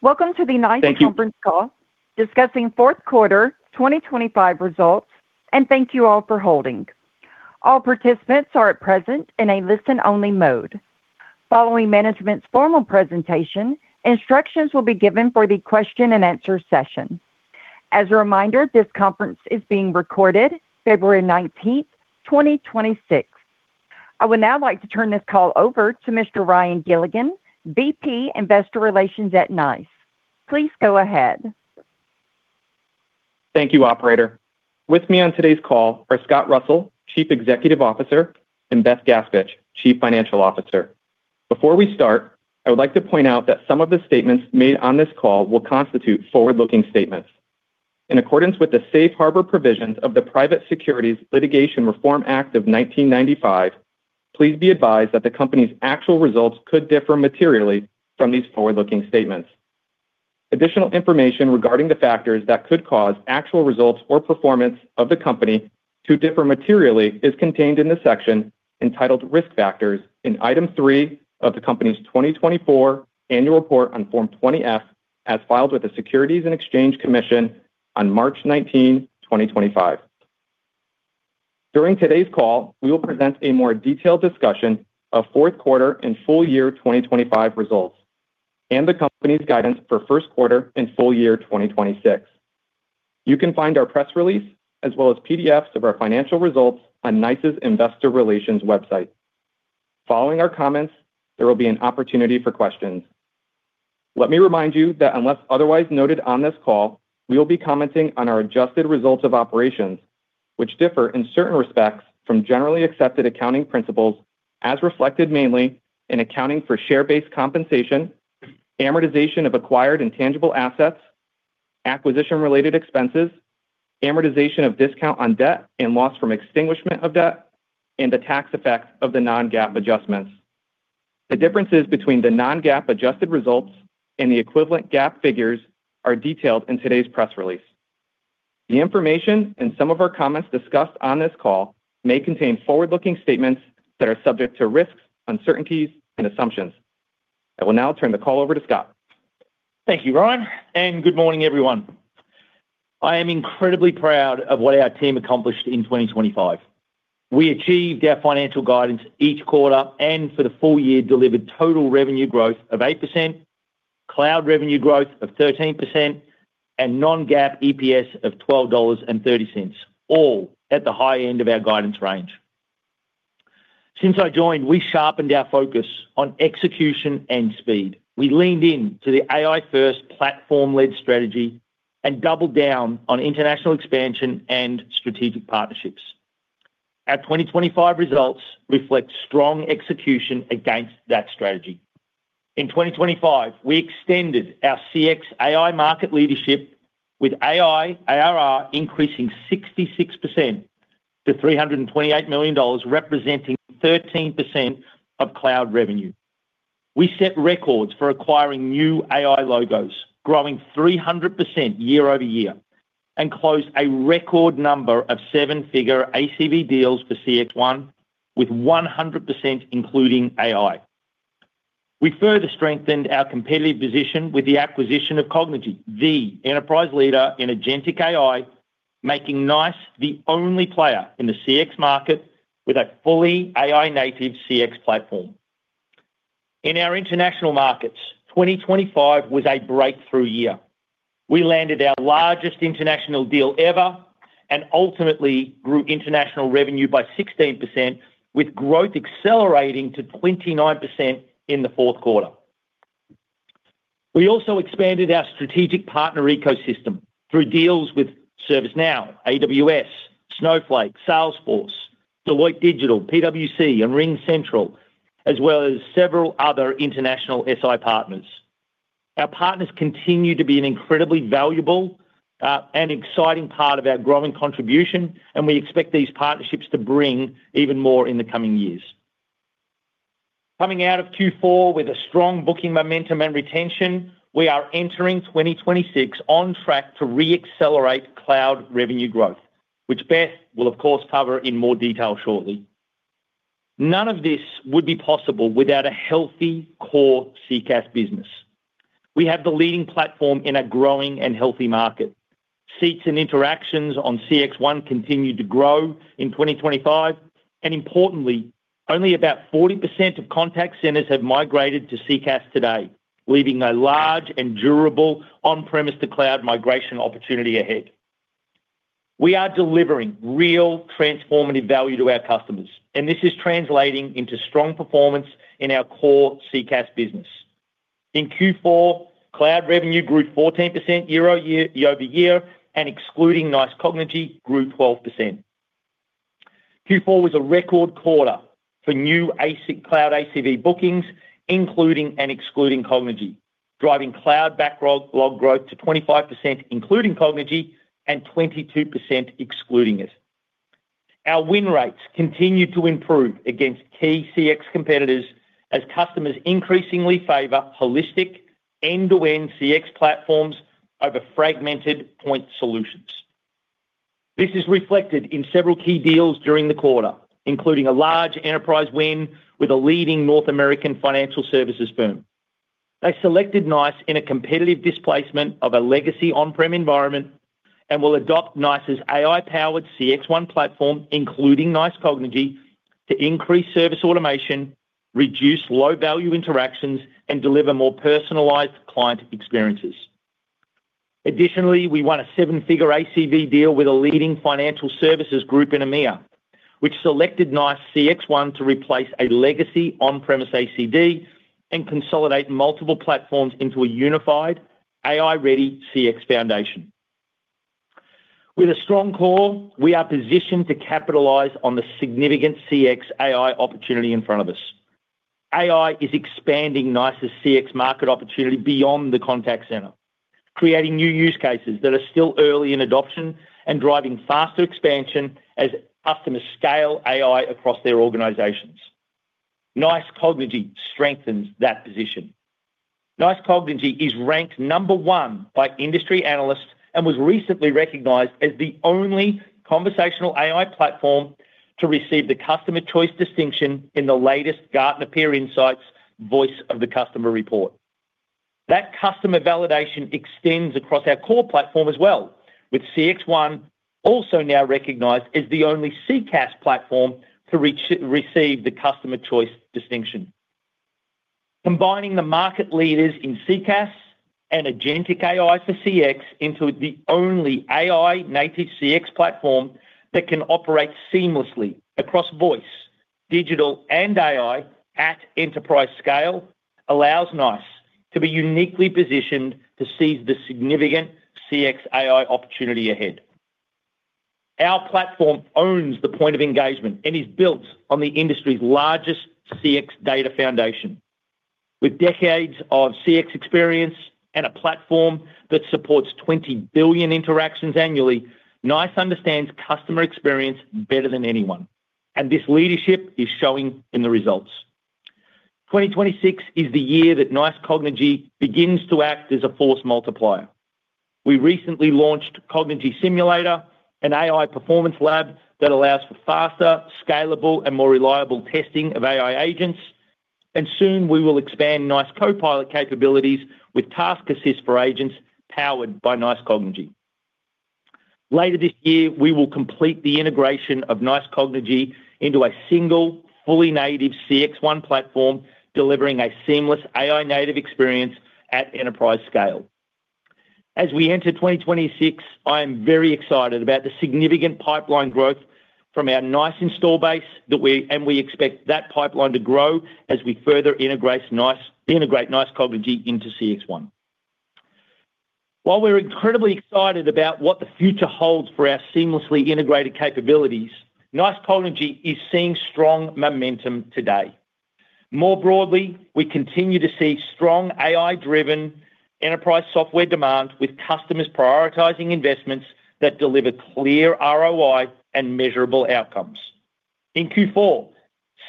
Welcome to the NiCE conference call discussing Q4 2025 results and thank you all for holding. All participants are at present in a listen-only mode. Following management's formal presentation, instructions will be given for the question-and-answer session. As a reminder, this conference is being recorded February 19, 2026. I would now like to turn this call over to Mr. Ryan Gilligan, VP, Investor Relations at NiCE. Please go ahead. Thank you, operator. With me on today's call are Scott Russell, Chief Executive Officer, and Beth Gaspich, Chief Financial Officer. Before we start, I would like to point out that some of the statements made on this call will constitute forward-looking statements. In accordance with the safe harbor provisions of the Private Securities Litigation Reform Act of 1995, please be advised that the company's actual results could differ materially from these forward-looking statements. Additional information regarding the factors that could cause actual results or performance of the company to differ materially is contained in the section entitled Risk Factors in Item 3 of the company's 2024 Annual Report on Form 20-F, as filed with the Securities and Exchange Commission on March 19, 2025. During today's call, we will present a more detailed discussion of Q4 and full year 2025 results and the company's guidance for Q1 and full year 2026. You can find our press release, as well as PDFs of our financial results on NICE's Investor Relations website. Following our comments, there will be an opportunity for questions. Let me remind you that unless otherwise noted on this call, we will be commenting on our adjusted results of operations, which differ in certain respects from generally accepted accounting principles, as reflected mainly in accounting for share-based compensation, amortization of acquired intangible assets, acquisition-related expenses, amortization of discount on debt and loss from extinguishment of debt, and the tax effects of the non-GAAP adjustments. The differences between the non-GAAP adjusted results and the equivalent GAAP figures are detailed in today's press release. The information and some of our comments discussed on this call may contain forward-looking statements that are subject to risks, uncertainties, and assumptions. I will now turn the call over to Scott. Thank you, Ryan, and good morning, everyone. I am incredibly proud of what our team accomplished in 2025. We achieved our financial guidance each quarter and for the full year, delivered total revenue growth of 8%, cloud revenue growth of 13%, and non-GAAP EPS of $12.30, all at the high end of our guidance range. Since I joined, we sharpened our focus on execution and speed. We leaned in to the AI-first, platform-led strategy and doubled down on international expansion and strategic partnerships. Our 2025 results reflect strong execution against that strategy. In 2025, we extended our CX AI market leadership with AI ARR increasing 66% to $328 million, representing 13% of cloud revenue. We set records for acquiring new AI logos, growing 300% year-over-year, and closed a record number of seven-figure ACV deals for CXone, with 100%, including AI. We further strengthened our competitive position with the acquisition of Cognigy, the enterprise leader in agentic AI, making NiCE the only player in the CX market with a fully AI-native CX platform. In our international markets, 2025 was a breakthrough year. We landed our largest international deal ever and ultimately grew international revenue by 16%, with growth accelerating to 29% in the Q4. We also expanded our strategic partner ecosystem through deals with ServiceNow, AWS, Snowflake, Salesforce, Deloitte Digital, PwC, and RingCentral, as well as several other international SI partners. Our partners continue to be an incredibly valuable and exciting part of our growing contribution, and we expect these partnerships to bring even more in the coming years. Coming out of Q4 with a strong booking momentum and retention, we are entering 2026 on track to re-accelerate cloud revenue growth, which Beth will, of course, cover in more detail shortly. None of this would be possible without a healthy core CCaaS business. We have the leading platform in a growing and healthy market. Seats and interactions on CXone continued to grow in 2025, and importantly, only about 40% of contact centers have migrated to CCaaS today, leaving a large and durable on-premise to cloud migration opportunity ahead. We are delivering real transformative value to our customers, and this is translating into strong performance in our core CCaaS business. In Q4, cloud revenue grew 14% year over year, and excluding NiCE Cognigy, grew 12%. Q4 was a record quarter for new cloud ACV bookings, including and excluding Cognigy, driving cloud backlog growth to 25%, including Cognigy and 22% excluding it. Our win rates continued to improve against key CX competitors as customers increasingly favor holistic end-to-end CX platforms over fragmented point solutions. This is reflected in several key deals during the quarter, including a large enterprise win with a leading North American financial services firm. They selected NiCE in a competitive displacement of a legacy on-prem environment and will adopt NiCErs AI-powered CXone platform, including NiCE Cognigy, to increase service automation, reduce low-value interactions, and deliver more personalized client experiences. Additionally, we won a seven-figure ACV deal with a leading financial services group in EMEA, which selected NiCE CXone to replace a legacy on-premise ACD and consolidate multiple platforms into a unified AI-ready CX foundation. With a strong core, we are positioned to capitalize on the significant CX AI opportunity in front of us. AI is expanding NiCErs CX market opportunity beyond the contact center, creating new use cases that are still early in adoption and driving faster expansion as customers scale AI across their organizations. NiCE Cognigy strengthens that position. NiCE Cognigy is ranked number one by industry analysts and was recently recognized as the only conversational AI platform to receive the Customer Choice distinction in the latest Gartner Peer Insights Voice of the Customer report. That customer validation extends across our core platform as well, with CXone also now recognized as the only CCaaS platform to receive the Customer Choice distinction. Combining the market leaders in CCaaS and agentic AI for CX into the only AI-native CX platform that can operate seamlessly across voice, digital, and AI at enterprise scale, allows NiCE to be uniquely positioned to seize the significant CX AI opportunity ahead. Our platform owns the point of engagement and is built on the industry's largest CX data foundation. With decades of CX experience and a platform that supports 20 billion interactions annually, NiCE understands customer experience better than anyone, and this leadership is showing in the results. 2026 is the year that NiCE Cognigy begins to act as a force multiplier. We recently launched Cognigy Simulator, an AI performance lab that allows for faster, scalable, and more reliable testing of AI agents, and soon we will expand NiCE Copilot capabilities with task assist for agents powered by NiCE Cognigy. Later this year, we will complete the integration of NiCE Cognigy into a single, fully native CXone platform, delivering a seamless AI-native experience at enterprise scale. As we enter 2026, I am very excited about the significant pipeline growth from our NiCE install base, and we expect that pipeline to grow as we further integrate NiCE Cognigy into CXone. While we're incredibly excited about what the future holds for our seamlessly integrated capabilities, NiCE Cognigy is seeing strong momentum today. More broadly, we continue to see strong AI-driven enterprise software demand, with customers prioritizing investments that deliver clear ROI and measurable outcomes. In Q4,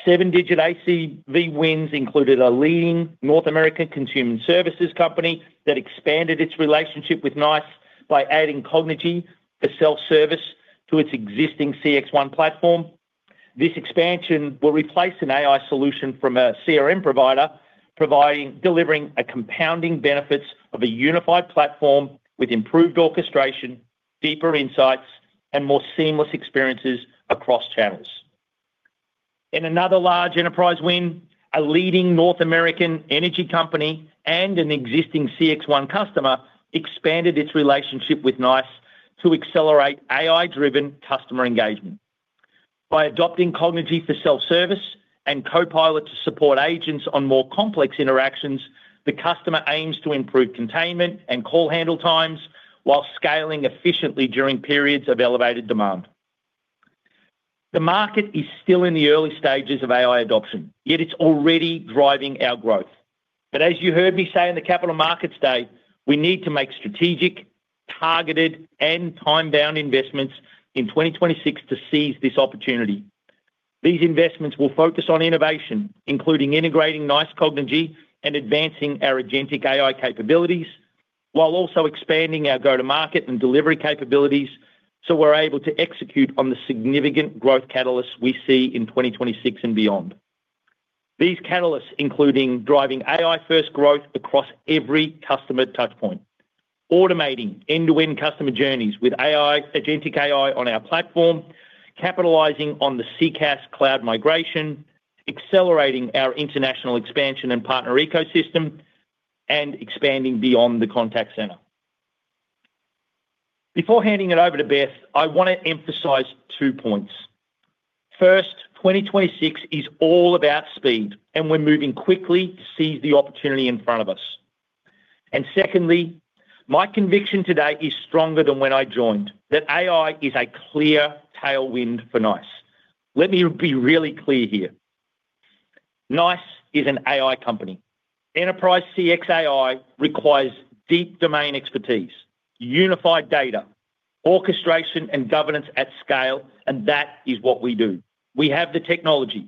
7-digit ACV wins included a leading North American consumer services company that expanded its relationship with NiCE by adding Cognigy for self-service to its existing CXone platform. This expansion will replace an AI solution from a CRM provider, providing, delivering a compounding benefits of a unified platform with improved orchestration, deeper insights, and more seamless experiences across channels. In another large enterprise win, a leading North American energy company and an existing CXone customer expanded its relationship with NiCE to accelerate AI-driven customer engagement. By adopting Cognigy for self-service and Copilot to support agents on more complex interactions, the customer aims to improve containment and call handle times while scaling efficiently during periods of elevated demand. The market is still in the early stages of AI adoption, yet it's already driving our growth. But as you heard me say in the Capital Markets Day, we need to make strategic, targeted, and time-bound investments in 2026 to seize this opportunity. These investments will focus on innovation, including integrating NiCE Cognigy and advancing our agentic AI capabilities, while also expanding our go-to-market and delivery capabilities, so we're able to execute on the significant growth catalysts we see in 2026 and beyond. These catalysts, including driving AI-first growth across every customer touchpoint, automating end-to-end customer journeys with AI, agentic AI on our platform, capitalizing on the CCaaS cloud migration, accelerating our international expansion and partner ecosystem, and expanding beyond the contact center. Before handing it over to Beth, I want to emphasize two points. First, 2026 is all about speed, and we're moving quickly to seize the opportunity in front of us. Secondly, my conviction today is stronger than when I joined, that AI is a clear tailwind for NiCE. Let me be really clear here. NiCE is an AI company. Enterprise CX AI requires deep domain expertise, unified data, orchestration, and governance at scale, and that is what we do. We have the technology...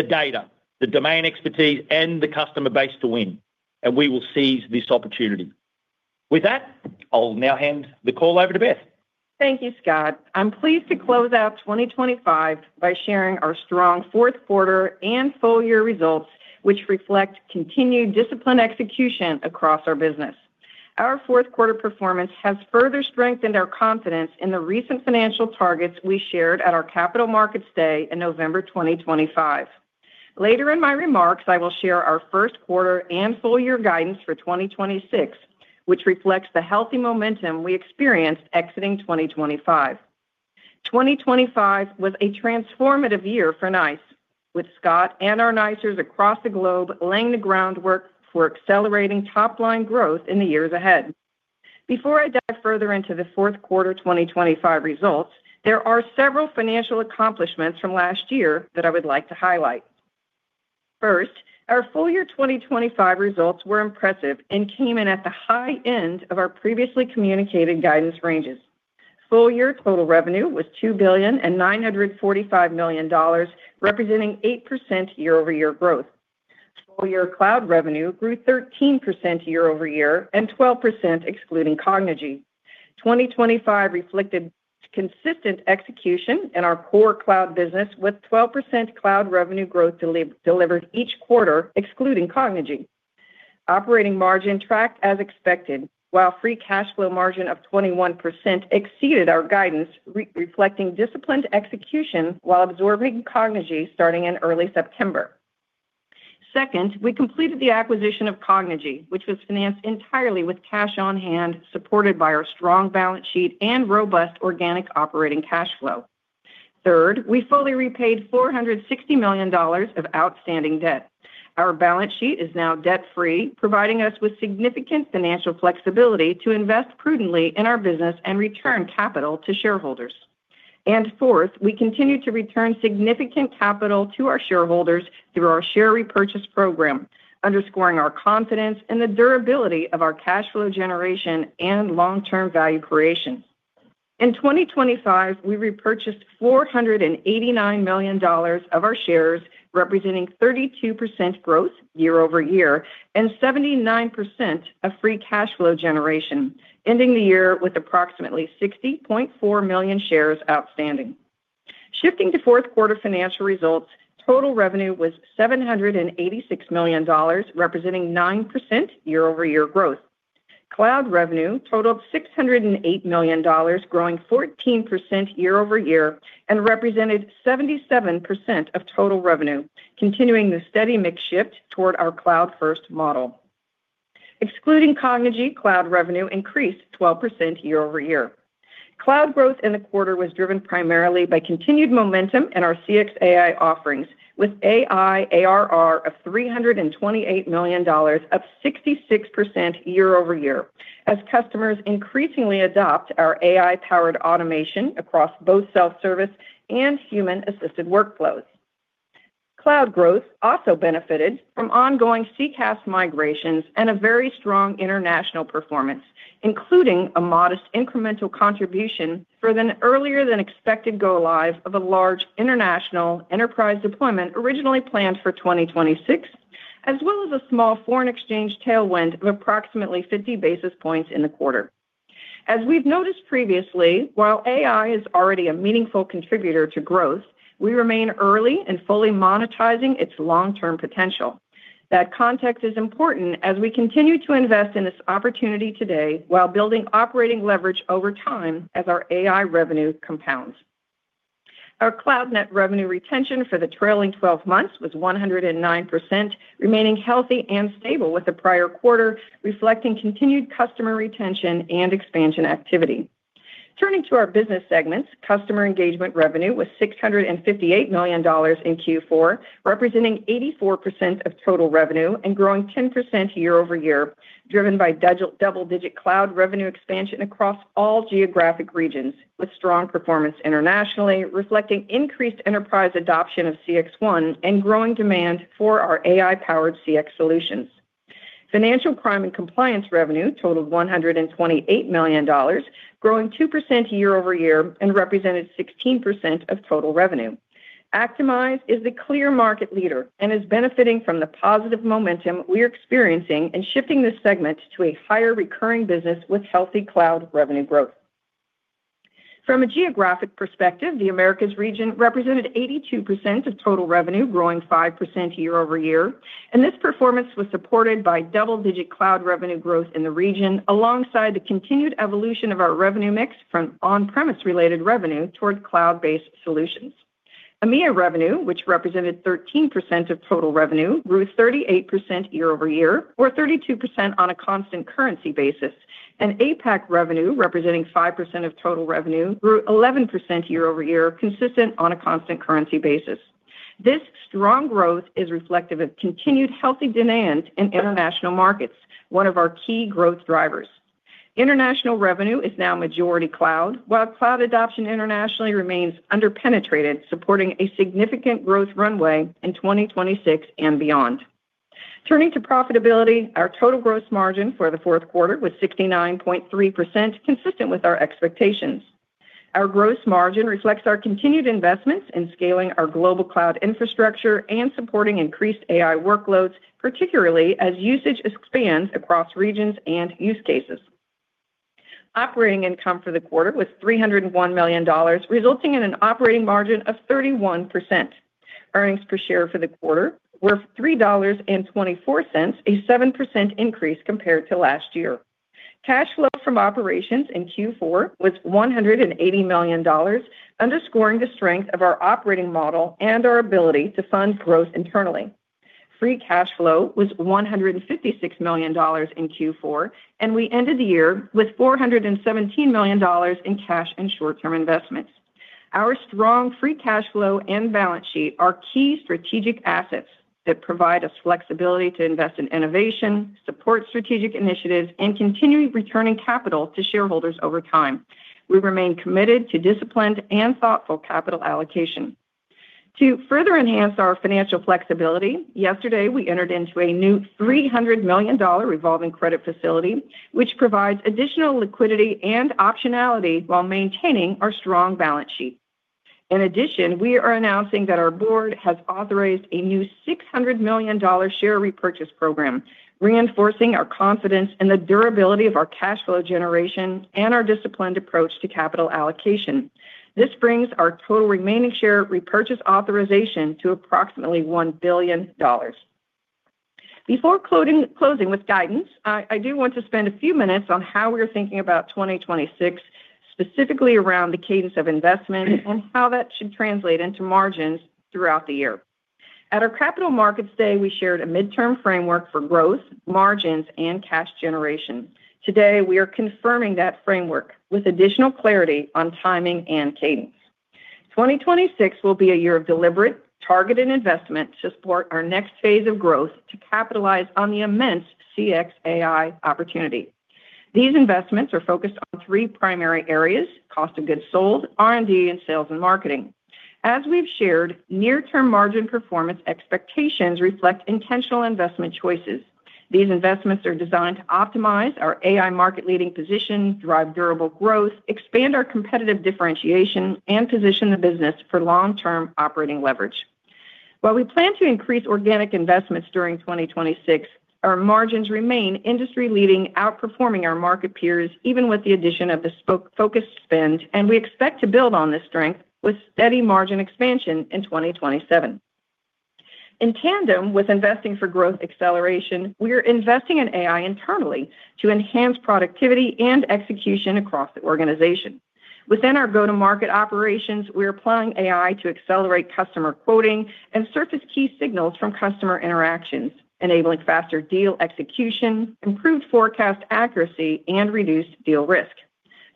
the data, the domain expertise, and the customer base to win, and we will seize this opportunity. With that, I'll now hand the call over to Beth. Thank you, Scott. I'm pleased to close out 2025 by sharing our strong fourth quarter and full year results, which reflect continued disciplined execution across our business. Our Q4 performance has further strengthened our confidence in the recent financial targets we shared at our Capital Markets Day in November 2025. Later in my remarks, I will share our Q1 and full year guidance for 2026, which reflects the healthy momentum we experienced exiting 2025. 2025 was a transformative year for NiCE, with Scott and our NiCErs across the globe laying the groundwork for accelerating top-line growth in the years ahead. Before I dive further into the Q4 2025 results, there are several financial accomplishments from last year that I would like to highlight. First, our full year 2025 results were impressive and came in at the high end of our previously communicated guidance ranges. Full year total revenue was $2.945 billion, representing 8% year-over-year growth. Full year cloud revenue grew 13% year-over-year and 12% excluding Cognigy. 2025 reflected consistent execution in our core cloud business, with 12% cloud revenue growth delivered each quarter, excluding Cognigy. Operating margin tracked as expected, while free cash flow margin of 21% exceeded our guidance, reflecting disciplined execution while absorbing Cognigy starting in early September. Second, we completed the acquisition of Cognigy, which was financed entirely with cash on hand, supported by our strong balance sheet and robust organic operating cash flow. Third, we fully repaid $460 million of outstanding debt. Our balance sheet is now debt-free, providing us with significant financial flexibility to invest prudently in our business and return capital to shareholders. And fourth, we continue to return significant capital to our shareholders through our share repurchase program, underscoring our confidence in the durability of our cash flow generation and long-term value creation. In 2025, we repurchased $489 million of our shares, representing 32% growth year-over-year and 79% of free cash flow generation, ending the year with approximately 60.4 million shares outstanding. Shifting to Q financial results, total revenue was $786 million, representing 9% year-over-year growth. Cloud revenue totaled $608 million, growing 14% year-over-year and represented 77% of total revenue, continuing the steady mix shift toward our cloud-first model. Excluding Cognigy, cloud revenue increased 12% year-over-year. Cloud growth in the quarter was driven primarily by continued momentum in our CX AI offerings, with AI ARR of $328 million, up 66% year-over-year, as customers increasingly adopt our AI-powered automation across both self-service and human-assisted workflows. Cloud growth also benefited from ongoing CCaaS migrations and a very strong international performance, including a modest incremental contribution for an earlier-than-expected go-live of a large international enterprise deployment originally planned for 2026, as well as a small foreign exchange tailwind of approximately 50 basis points in the quarter. As we've noticed previously, while AI is already a meaningful contributor to growth, we remain early in fully monetizing its long-term potential. That context is important as we continue to invest in this opportunity today while building operating leverage over time as our AI revenue compounds. Our cloud net revenue retention for the trailing twelve months was 109%, remaining healthy and stable with the prior quarter, reflecting continued customer retention and expansion activity. Turning to our business segments, customer engagement revenue was $658 million in Q4, representing 84% of total revenue and growing 10% year-over-year, driven by double-digit cloud revenue expansion across all geographic regions, with strong performance internationally, reflecting increased enterprise adoption of CXone and growing demand for our AI-powered CX solutions. Financial crime and compliance revenue totaled $128 million, growing 2% year-over-year and represented 16% of total revenue. Actimize is the clear market leader and is benefiting from the positive momentum we are experiencing in shifting this segment to a higher recurring business with healthy cloud revenue growth. From a geographic perspective, the Americas region represented 82% of total revenue, growing 5% year-over-year, and this performance was supported by double-digit cloud revenue growth in the region, alongside the continued evolution of our revenue mix from on-premise related revenue toward cloud-based solutions. EMEA revenue, which represented 13% of total revenue, grew 38% year-over-year or 32% on a constant currency basis, and APAC revenue, representing 5% of total revenue, grew 11% year-over-year, consistent on a constant currency basis. This strong growth is reflective of continued healthy demand in international markets, one of our key growth drivers. International revenue is now majority cloud, while cloud adoption internationally remains under-penetrated, supporting a significant growth runway in 2026 and beyond.... Turning to profitability, our total gross margin for the Q4 was 69.3%, consistent with our expectations. Our gross margin reflects our continued investments in scaling our global cloud infrastructure and supporting increased AI workloads, particularly as usage expands across regions and use cases. Operating income for the quarter was $301 million, resulting in an operating margin of 31%. Earnings per share for the quarter were $3.24, a 7% increase compared to last year. Cash flow from operations in Q4 was $180 million, underscoring the strength of our operating model and our ability to fund growth internally. Free cash flow was $156 million in Q4, and we ended the year with $417 million in cash and short-term investments. Our strong free cash flow and balance sheet are key strategic assets that provide us flexibility to invest in innovation, support strategic initiatives, and continuing returning capital to shareholders over time. We remain committed to disciplined and thoughtful capital allocation. To further enhance our financial flexibility, yesterday, we entered into a new $300 million revolving credit facility, which provides additional liquidity and optionality while maintaining our strong balance sheet. In addition, we are announcing that our board has authorized a new $600 million share repurchase program, reinforcing our confidence in the durability of our cash flow generation and our disciplined approach to capital allocation. This brings our total remaining share repurchase authorization to approximately $1 billion. Before closing with guidance, I do want to spend a few minutes on how we're thinking about 2026, specifically around the cadence of investment and how that should translate into margins throughout the year. At our Capital Markets Day, we shared a midterm framework for growth, margins, and cash generation. Today, we are confirming that framework with additional clarity on timing and Cadence. 2026 will be a year of deliberate, targeted investment to support our next phase of growth to capitalize on the immense CX AI opportunity. These investments are focused on three primary areas: cost of goods sold, R&D, and sales and marketing. As we've shared, near-term margin performance expectations reflect intentional investment choices. These investments are designed to optimize our AI market-leading position, drive durable growth, expand our competitive differentiation, and position the business for long-term operating leverage. While we plan to increase organic investments during 2026, our margins remain industry-leading, outperforming our market peers, even with the addition of this SaaS-focused spend, and we expect to build on this strength with steady margin expansion in 2027. In tandem with investing for growth acceleration, we are investing in AI internally to enhance productivity and execution across the organization. Within our go-to-market operations, we are applying AI to accelerate customer quoting and surface key signals from customer interactions, enabling faster deal execution, improved forecast accuracy, and reduced deal risk.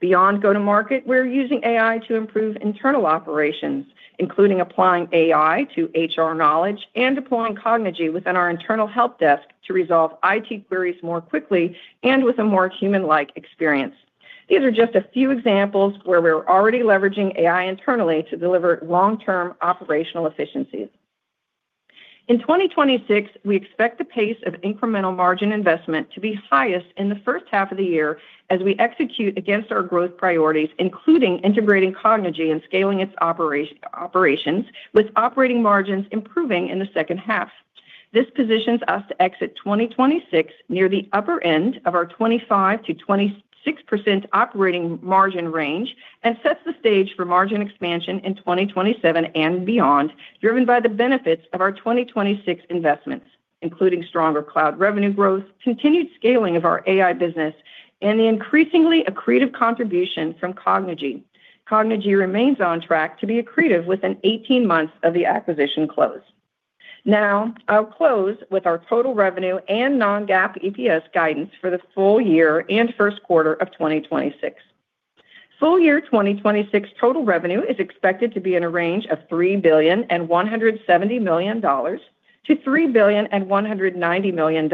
Beyond go-to-market, we're using AI to improve internal operations, including applying AI to HR knowledge and deploying Cognigy within our internal help desk to resolve IT queries more quickly and with a more human-like experience. These are just a few examples where we're already leveraging AI internally to deliver long-term operational efficiencies. In 2026, we expect the pace of incremental margin investment to be highest in the first half of the year as we execute against our growth priorities, including integrating Cognigy and scaling its operations, with operating margins improving in the second half. This positions us to exit 2026 near the upper end of our 25%-26% operating margin range and sets the stage for margin expansion in 2027 and beyond, driven by the benefits of our 2026 investments, including stronger cloud revenue growth, continued scaling of our AI business, and the increasingly accretive contribution from Cognigy. Cognigy remains on track to be accretive within 18 months of the acquisition close. Now, I'll close with our total revenue and non-GAAP EPS guidance for the full year and Q1 of 2026. Full year 2026 total revenue is expected to be in a range of $3.17 billion-$3.19 billion,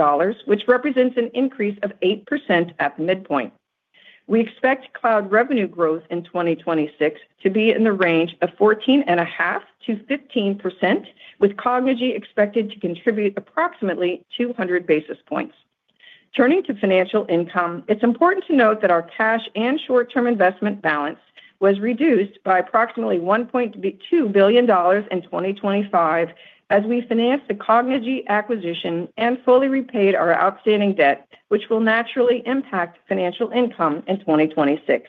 which represents an increase of 8% at midpoint. We expect cloud revenue growth in 2026 to be in the range of 14.5%-15%, with Cognigy expected to contribute approximately 200 basis points. Turning to financial income, it's important to note that our cash and short-term investment balance was reduced by approximately $1.2 billion in 2025 as we financed the Cognigy acquisition and fully repaid our outstanding debt, which will naturally impact financial income in 2026.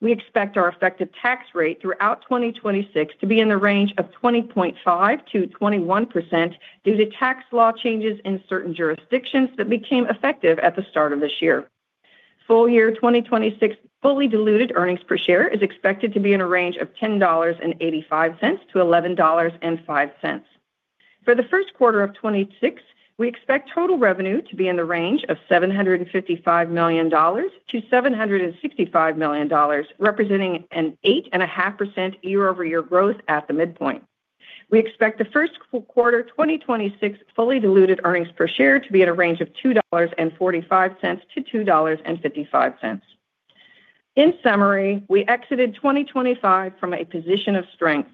We expect our effective tax rate throughout 2026 to be in the range of 20.5%-21% due to tax law changes in certain jurisdictions that became effective at the start of this year. Full year 2026 fully diluted earnings per share is expected to be in a range of $10.85-$11.05. For the Q1 of 2026, we expect total revenue to be in the range of $755 million-$765 million, representing an 8.5% year-over-year growth at the midpoint. We expect the first full quarter 2026 fully diluted earnings per share to be at a range of $2.45-$2.55. In summary, we exited 2025 from a position of strength,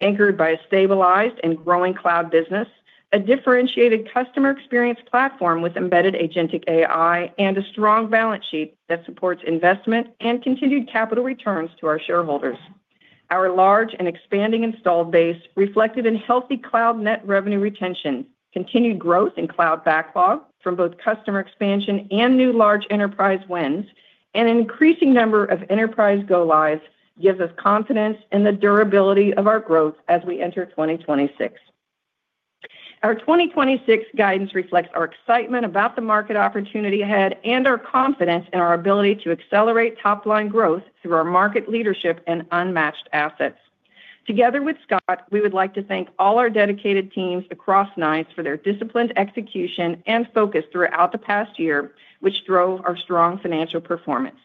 anchored by a stabilized and growing cloud business, a differentiated customer experience platform with embedded agentic AI, and a strong balance sheet that supports investment and continued capital returns to our shareholders. Our large and expanding installed base, reflected in healthy cloud net revenue retention, continued growth in cloud backlog from both customer expansion and new large enterprise wins, and an increasing number of enterprise go-lives, gives us confidence in the durability of our growth as we enter 2026. Our 2026 guidance reflects our excitement about the market opportunity ahead and our confidence in our ability to accelerate top-line growth through our market leadership and unmatched assets. Together with Scott, we would like to thank all our dedicated teams across NiCE for their disciplined execution and focus throughout the past year, which drove our strong financial performance.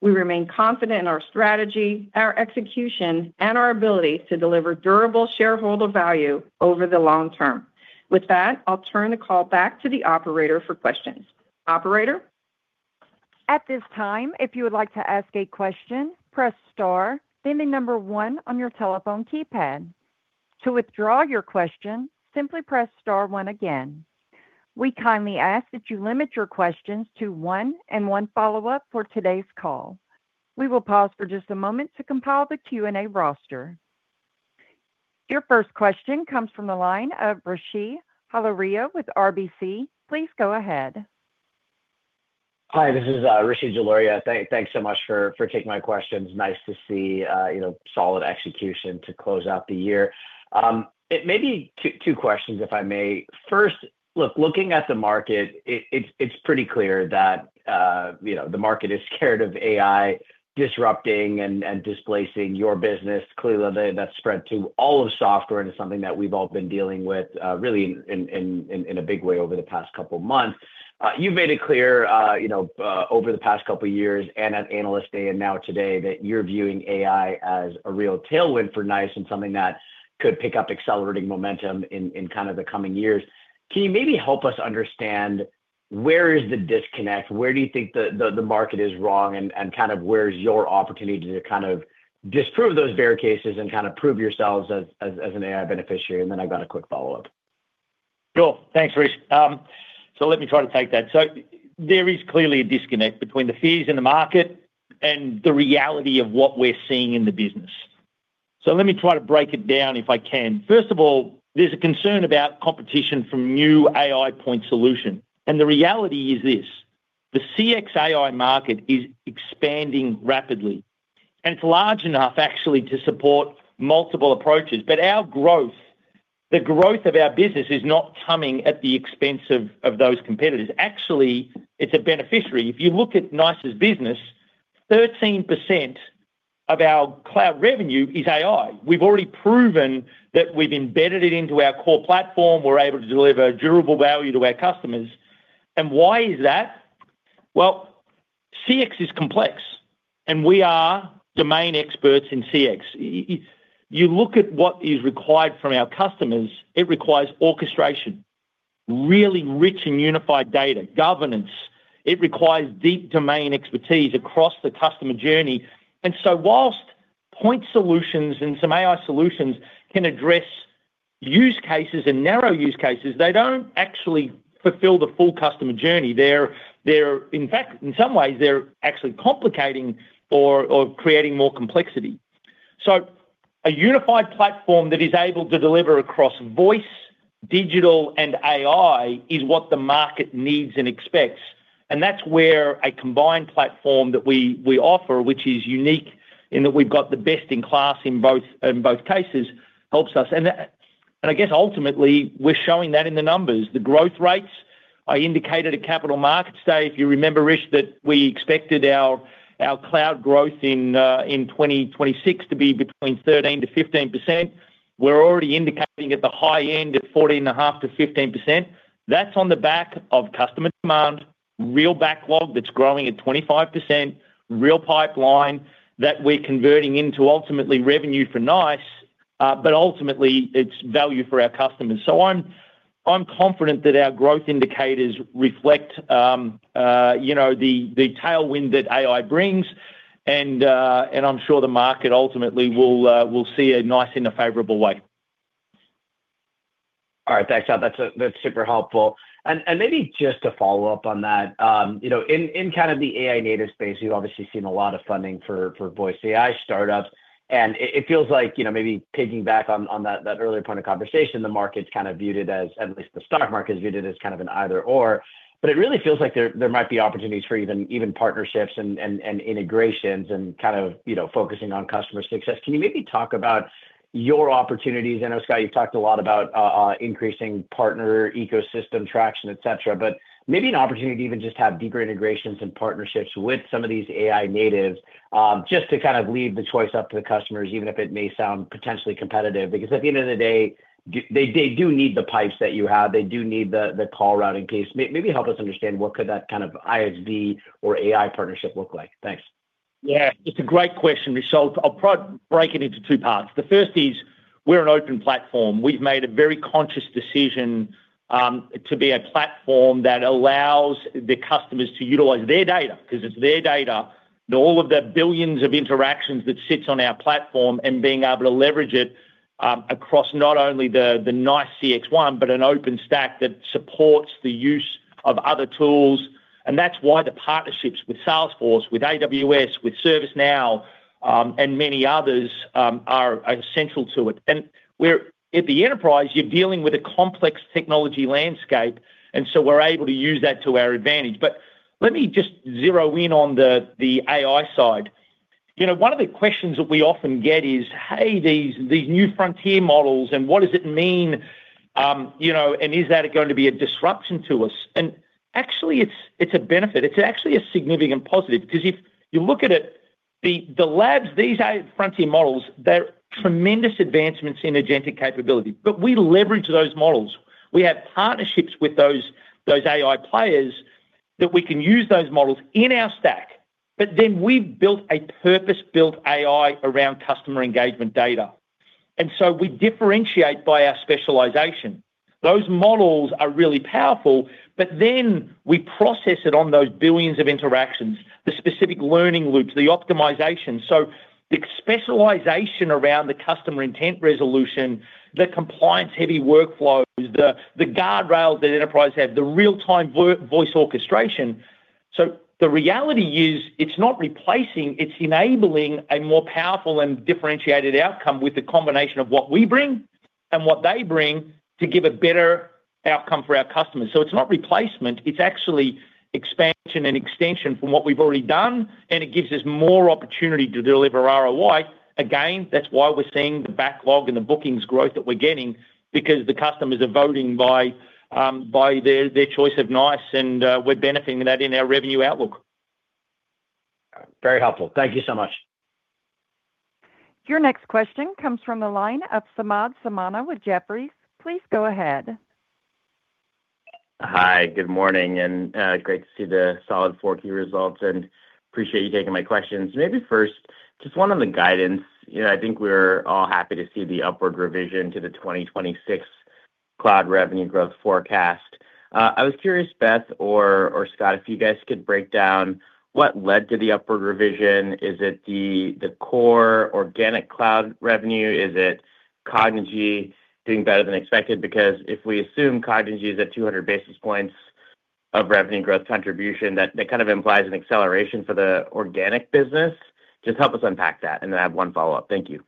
We remain confident in our strategy, our execution, and our ability to deliver durable shareholder value over the long term. With that, I'll turn the call back to the operator for questions. Operator? At this time, if you would like to ask a question, press star, then the number one on your telephone keypad. To withdraw your question, simply press star one again. We kindly ask that you limit your questions to one and one follow-up for today's call. We will pause for just a moment to compile the Q&A roster. Your first question comes from the line of Rishi Jaluria with RBC. Please go ahead. Hi, this is Rishi Jaluria. Thanks so much for taking my questions. Nice to see, you know, solid execution to close out the year. It may be two questions, if I may. First, looking at the market, it's pretty clear that, you know, the market is scared of AI disrupting and displacing your business. Clearly, that's spread to all of software into something that we've all been dealing with, really in a big way over the past couple of months. You've made it clear, you know, over the past couple of years and at Analyst Day and now today, that you're viewing AI as a real tailwind for NiCE and something that could pick up accelerating momentum in kind of the coming years. Can you maybe help us understand where is the disconnect? Where do you think the market is wrong, and kind of where's your opportunity to kind of disprove those bear cases and kind of prove yourselves as an AI beneficiary? And then I've got a quick follow-up. Sure. Thanks, Rish. So let me try to take that. So, there is clearly a disconnect between the fears in the market and the reality of what we're seeing in the business. So let me try to break it down, if I can. First of all, there's a concern about competition from new AI point solution, and the reality is this: the CX AI market is expanding rapidly, and it's large enough actually to support multiple approaches. But our growth, the growth of our business, is not coming at the expense of, of those competitors. Actually, it's a beneficiary. If you look at NiCErs business, 13% of our cloud revenue is AI. We've already proven that we've embedded it into our core platform. We're able to deliver durable value to our customers. And why is that? Well, CX is complex, and we are domain experts in CX. You look at what is required from our customers, it requires orchestration, really rich and unified data, governance. It requires deep domain expertise across the customer journey. And so whilst point solutions and some AI solutions can address use cases and narrow use cases, they don't actually fulfill the full customer journey. They're... In fact, in some ways, they're actually complicating or creating more complexity. So a unified platform that is able to deliver across voice, digital, and AI is what the market needs and expects, and that's where a combined platform that we offer, which is unique, in that we've got the best in class in both cases, helps us. And I guess ultimately, we're showing that in the numbers. The growth rates I indicated at Capital Markets Day, if you remember, Rishi, that we expected our cloud growth in 2026 to be between 13%-15%. We're already indicating at the high end of 14.5%-15%. That's on the back of customer demand, real backlog that's growing at 25%, real pipeline that we're converting into ultimately revenue for NiCE, but ultimately, it's value for our customers. So I'm confident that our growth indicators reflect you know the tailwind that AI brings and I'm sure the market ultimately will see a NiCE in a favorable way. All right. Thanks, Scott. That's super helpful. And maybe just to follow up on that, you know, in kind of the AI native space, we've obviously seen a lot of funding for voice AI startups, and it feels like, you know, maybe piggybacking on that earlier point of conversation, the market's kind of viewed it as, at least the stock market's viewed it as kind of an either/or. But it really feels like there might be opportunities for even partnerships and integrations and kind of, you know, focusing on customer success. Can you maybe talk about your opportunities? I know, Scott, you've talked a lot about increasing partner ecosystem traction, etc. But maybe an opportunity to even just have deeper integrations and partnerships with some of these AI natives, just to kind of leave the choice up to the customers, even if it may sound potentially competitive, because at the end of the day, they, they do need the pipes that you have. They do need the, the call routing case. Maybe help us understand what could that kind of ISV or AI partnership look like. Thanks. Yeah, it's a great question, Rish. So I'll break it into two parts. The first is we're an open platform. We've made a very conscious decision to be a platform that allows the customers to utilize their data, 'cause it's their data, know all of the billions of interactions that sits on our platform, and being able to leverage it across not only the NiCE CXone, but an open stack that supports the use of other tools, and that's why the partnerships with Salesforce, with AWS, with ServiceNow, and many others are essential to it. And we're at the enterprise, you're dealing with a complex technology landscape, and so we're able to use that to our advantage. But let me just zero in on the AI side. You know, one of the questions that we often get is, "Hey, these new frontier models, and what does it mean, you know, and is that going to be a disruption to us?" And actually, it's a benefit. It's actually a significant positive, because if you look at it, the labs, these AI frontier models, they're tremendous advancements in agentic capability. But we leverage those models. We have partnerships with those AI players that we can use those models in our stack, but then we've built a purpose-built AI around customer engagement data, and so we differentiate by our specialization. Those models are really powerful, but then we process it on those billions of interactions, the specific learning loops, the optimization. So the specialization around the customer intent resolution, the compliance-heavy workflows, the guardrails that enterprises have, the real-time voice orchestration. So the reality is, it's not replacing, it's enabling a more powerful and differentiated outcome with the combination of what we bring and what they bring to give a better outcome for our customers. So it's not replacement, it's actually expansion and extension from what we've already done, and it gives us more opportunity to deliver ROI. Again, that's why we're seeing the backlog and the bookings growth that we're getting, because the customers are voting by their choice of NiCE, and we're benefiting that in our revenue outlook. Very helpful. Thank you so much. Your next question comes from the line of Samad Samana with Jefferies. Please go ahead. Hi, good morning, and great to see the solid 4Q results, and appreciate you taking my questions. Maybe first, just one on the guidance. You know, I think we're all happy to see the upward revision to the 2026 cloud revenue growth forecast. I was curious, Beth or Scott, if you guys could break down what led to the upward revision. Is it the core organic cloud revenue? Is it Cognigy doing better than expected? Because if we assume Cognigy is at 200 basis points of revenue growth contribution, that kind of implies an acceleration for the organic business. Just help us unpack that, and then I have one follow-up. Thank you.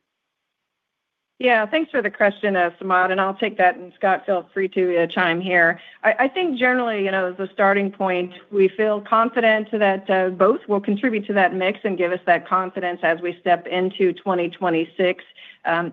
Yeah. Thanks for the question, Samad, and I'll take that, and, Scott, feel free to chime here. I, I think generally, you know, as a starting point, we feel confident that both will contribute to that mix and give us that confidence as we step into 2026.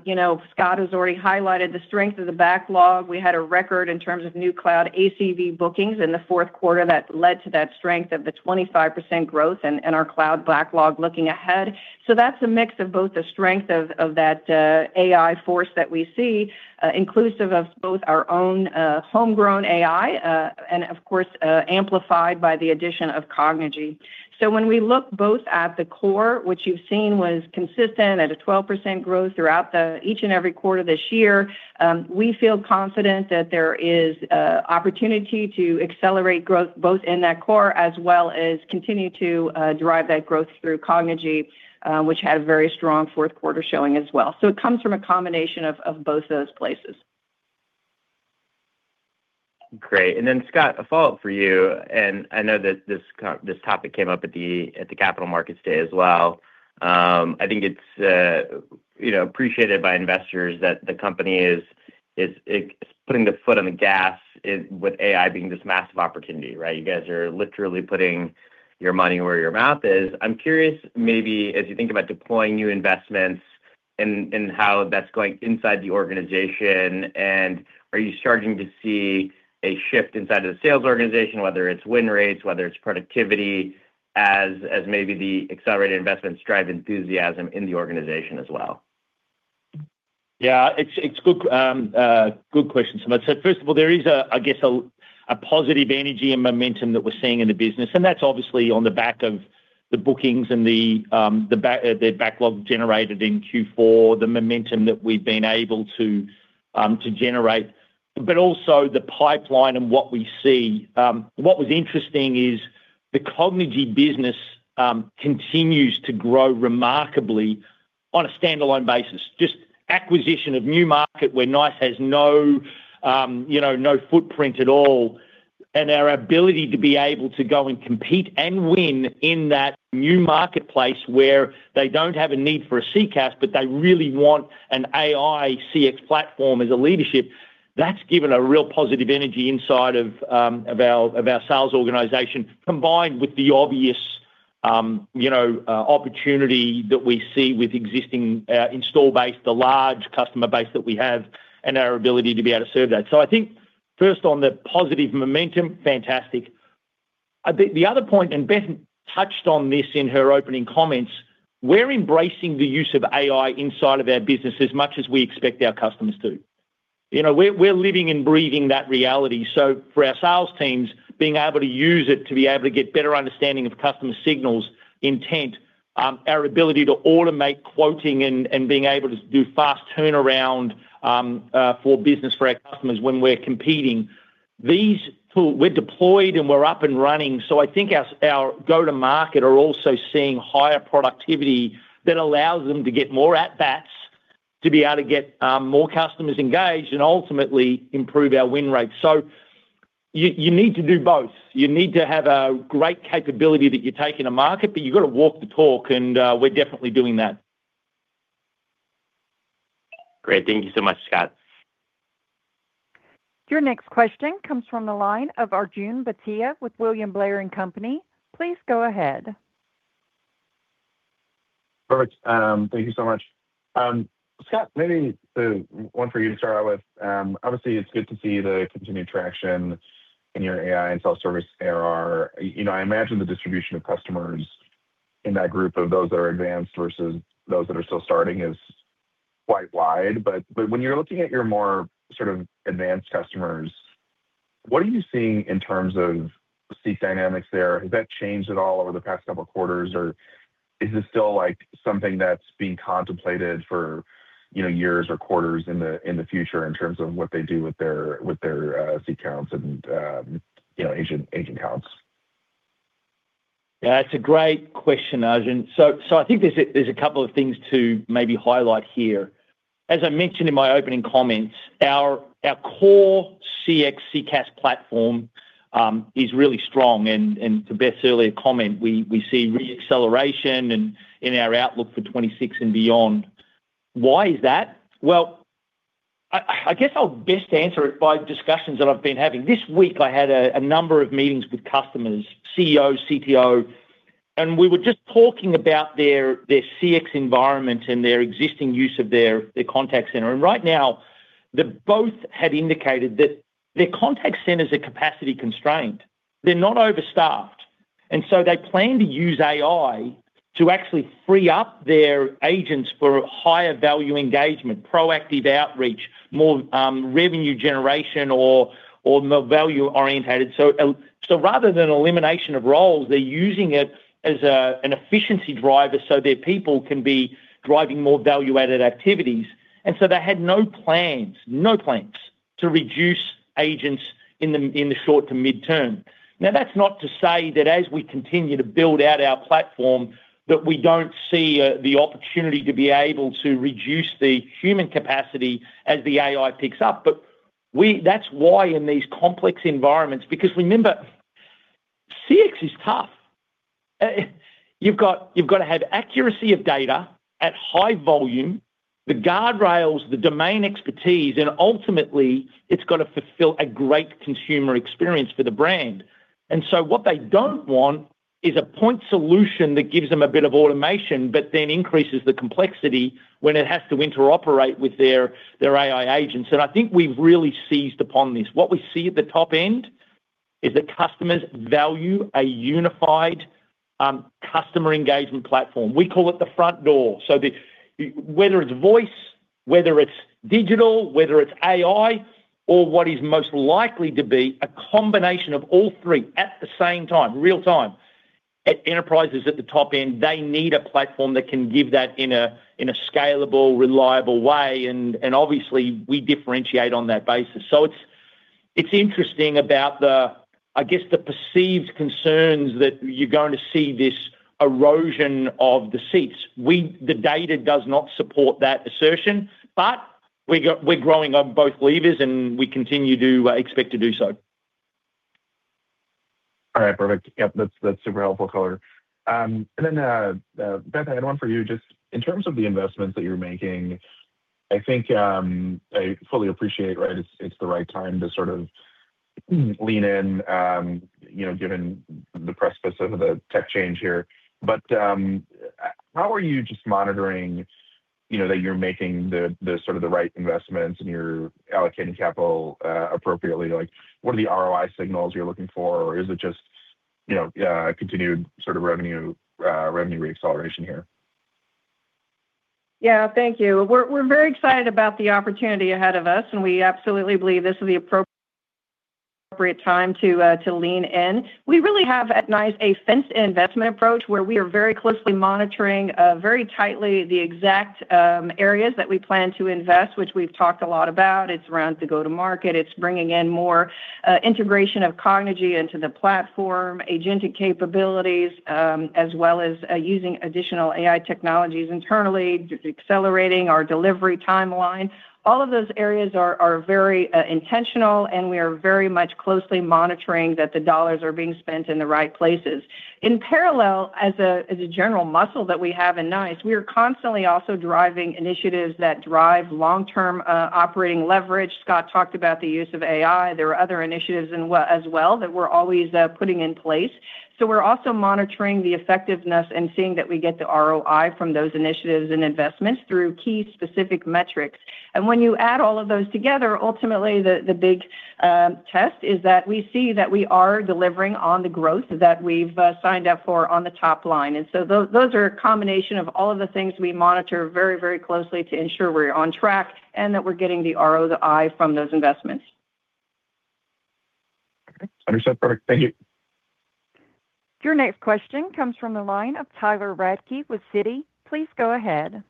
You know, Scott has already highlighted the strength of the backlog. We had a record in terms of new cloud ACV bookings in the Q4 that led to that strength of the 25% growth and our cloud backlog looking ahead. So that's a mix of both the strength of that AI force that we see inclusive of both our own homegrown AI and of course amplified by the addition of Cognigy. So when we look both at the core, which you've seen was consistent at a 12% growth throughout the each and every quarter this year, we feel confident that there is, opportunity to accelerate growth, both in that core, as well as continue to, drive that growth through Cognigy, which had a very strong Q4 showing as well. So, it comes from a combination of both those places. Great. And then, Scott, a follow-up for you, and I know that this topic came up at the Capital Markets Day as well. I think it's, you know, appreciated by investors that the company is putting the foot on the gas with AI being this massive opportunity, right? You guys are literally putting your money where your mouth is. I'm curious, maybe as you think about deploying new investments and how that's going inside the organization, and are you starting to see a shift inside of the sales organization, whether it's win rates, whether it's productivity, as maybe the accelerated investments drive enthusiasm in the organization as well? Yeah, it's good question, Samad. So first of all, there is a, I guess, a positive energy and momentum that we're seeing in the business, and that's obviously on the back of the bookings and the backlog generated in Q4, the momentum that we've been able to generate, but also the pipeline and what we see. What was interesting is the Cognigy business continues to grow remarkably on a standalone basis, just acquisition of new market where NiCE has no, you know, no footprint at all. And our ability to be able to go and compete and win in that new marketplace, where they don't have a need for a CCaaS, but they really want an AI CX platform as a leadership, that's given a real positive energy inside of, of our, of our sales organization, combined with the obvious, you know, opportunity that we see with existing, install base, the large customer base that we have, and our ability to be able to serve that. So I think first on the positive momentum, fantastic. I think the other point, and Beth touched on this in her opening comments, we're embracing the use of AI inside of our business as much as we expect our customers to. You know, we're, we're living and breathing that reality. So for our sales teams, being able to use it to be able to get better understanding of customer signals intent, our ability to automate quoting and being able to do fast turnaround, for business for our customers when we're competing these tools. We're deployed, and we're up and running, so I think our go-to-market are also seeing higher productivity that allows them to get more at bats, to be able to get more customers engaged and ultimately improve our win rate. So you need to do both. You need to have a great capability that you take in a market, but you've got to walk the talk, and we're definitely doing that. Great. Thank you so much, Scott. Your next question comes from the line of Arjun Bhatia with William Blair & Company. Please go ahead. Perfect. Thank you so much. Scott, maybe the one for you to start out with. Obviously, it's good to see the continued traction in your AI and self-service ARR. You know, I imagine the distribution of customers in that group, of those that are advanced versus those that are still starting, is quite wide. But when you're looking at your more sort of advanced customers, what are you seeing in terms of seat dynamics there? Has that changed at all over the past couple quarters, or is it still, like, something that's being contemplated for, you know, years or quarters in the future in terms of what they do with their seat counts and, you know, agent counts? Yeah, it's a great question, Arjun. So I think there's a couple of things to maybe highlight here. As I mentioned in my opening comments, our core CX CaaS platform is really strong, and to Beth's earlier comment, we see re-acceleration in our outlook for 2026 and beyond. Why is that? Well, I guess I'll best answer it by discussions that I've been having. This week, I had a number of meetings with customers, CEO, CTO, and we were just talking about their CX environment and their existing use of their contact center. And right now, they both had indicated that their contact centers are capacity constrained. They're not overstaffed, and so they plan to use AI to actually free up their agents for higher value engagement, proactive outreach, more revenue generation or more value-oriented. So, so rather than elimination of roles, they're using it as a, an efficiency driver so their people can be driving more value-added activities. And so they had no plans, no plans to reduce agents in the, in the short to mid-term. Now, that's not to say that as we continue to build out our platform, that we don't see the opportunity to be able to reduce the human capacity as the AI picks up. But that's why in these complex environments, because remember, CX is tough. You've got, you've got to have accuracy of data at high volume, the guardrails, the domain expertise, and ultimately, it's got to fulfill a great consumer experience for the brand. What they don't want is a point solution that gives them a bit of automation, but then increases the complexity when it has to interoperate with their AI agents. And I think we've really seized upon this. What we see at the top end is that customers value a unified customer engagement platform. We call it the front door. So whether it's voice, whether it's digital, whether it's AI or what is most likely to be a combination of all three at the same time, real time, at enterprises at the top end, they need a platform that can give that in a scalable, reliable way, and obviously, we differentiate on that basis. So it's interesting about the, I guess, the perceived concerns that you're going to see this erosion of the seats. The data does not support that assertion, but we're growing on both levers, and we continue to expect to do so. All right, perfect. Yep, that's, that's super helpful color. And then, Beth, I had one for you. Just in terms of the investments that you're making, I think, I fully appreciate, right, it's, it's the right time to sort of lean in, you know, given the precipice of the tech change here. But, how are you just monitoring, you know, that you're making the, the sort of the right investments and you're allocating capital, appropriately? Like, what are the ROI signals you're looking for, or is it just, you know, continued sort of revenue, revenue reacceleration here? Yeah, thank you. We're very excited about the opportunity ahead of us, and we absolutely believe this is the appropriate time to lean in. We really have at NiCE a fenced investment approach where we are very closely monitoring very tightly the exact areas that we plan to invest, which we've talked a lot about. It's around the go-to-market. It's bringing in more integration of Cognigy into the platform, agentic capabilities, as well as using additional AI technologies internally, accelerating our delivery timeline. All of those areas are very intentional, and we are very much closely monitoring that the dollars are being spent in the right places. In parallel, as a general muscle that we have in NiCE, we are constantly also driving initiatives that drive long-term operating leverage. Scott talked about the use of AI. There are other initiatives as well that we're always putting in place. So we're also monitoring the effectiveness and seeing that we get the ROI from those initiatives and investments through key specific metrics. And when you add all of those together, ultimately, the big test is that we see that we are delivering on the growth that we've signed up for on the top line. And so those are a combination of all of the things we monitor very, very closely to ensure we're on track and that we're getting the ROI from those investments.... Understood, perfect. Thank you. Your next question comes from the line of Tyler Radke with Citi. Please go ahead.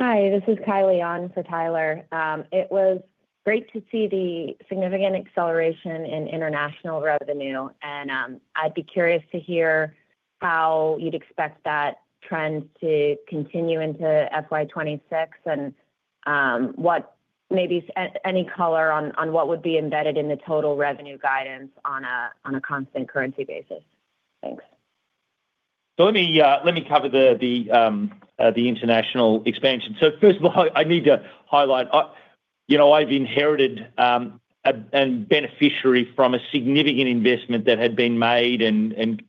Hi, this is Kiley on for Tyler. It was great to see the significant acceleration in international revenue, and I'd be curious to hear how you'd expect that trend to continue into FY 2026 and what maybe any color on what would be embedded in the total revenue guidance on a constant currency basis? Thanks. So let me cover the international expansion. So first of all, I need to highlight, you know, I've inherited a benefit from a significant investment that had been made and in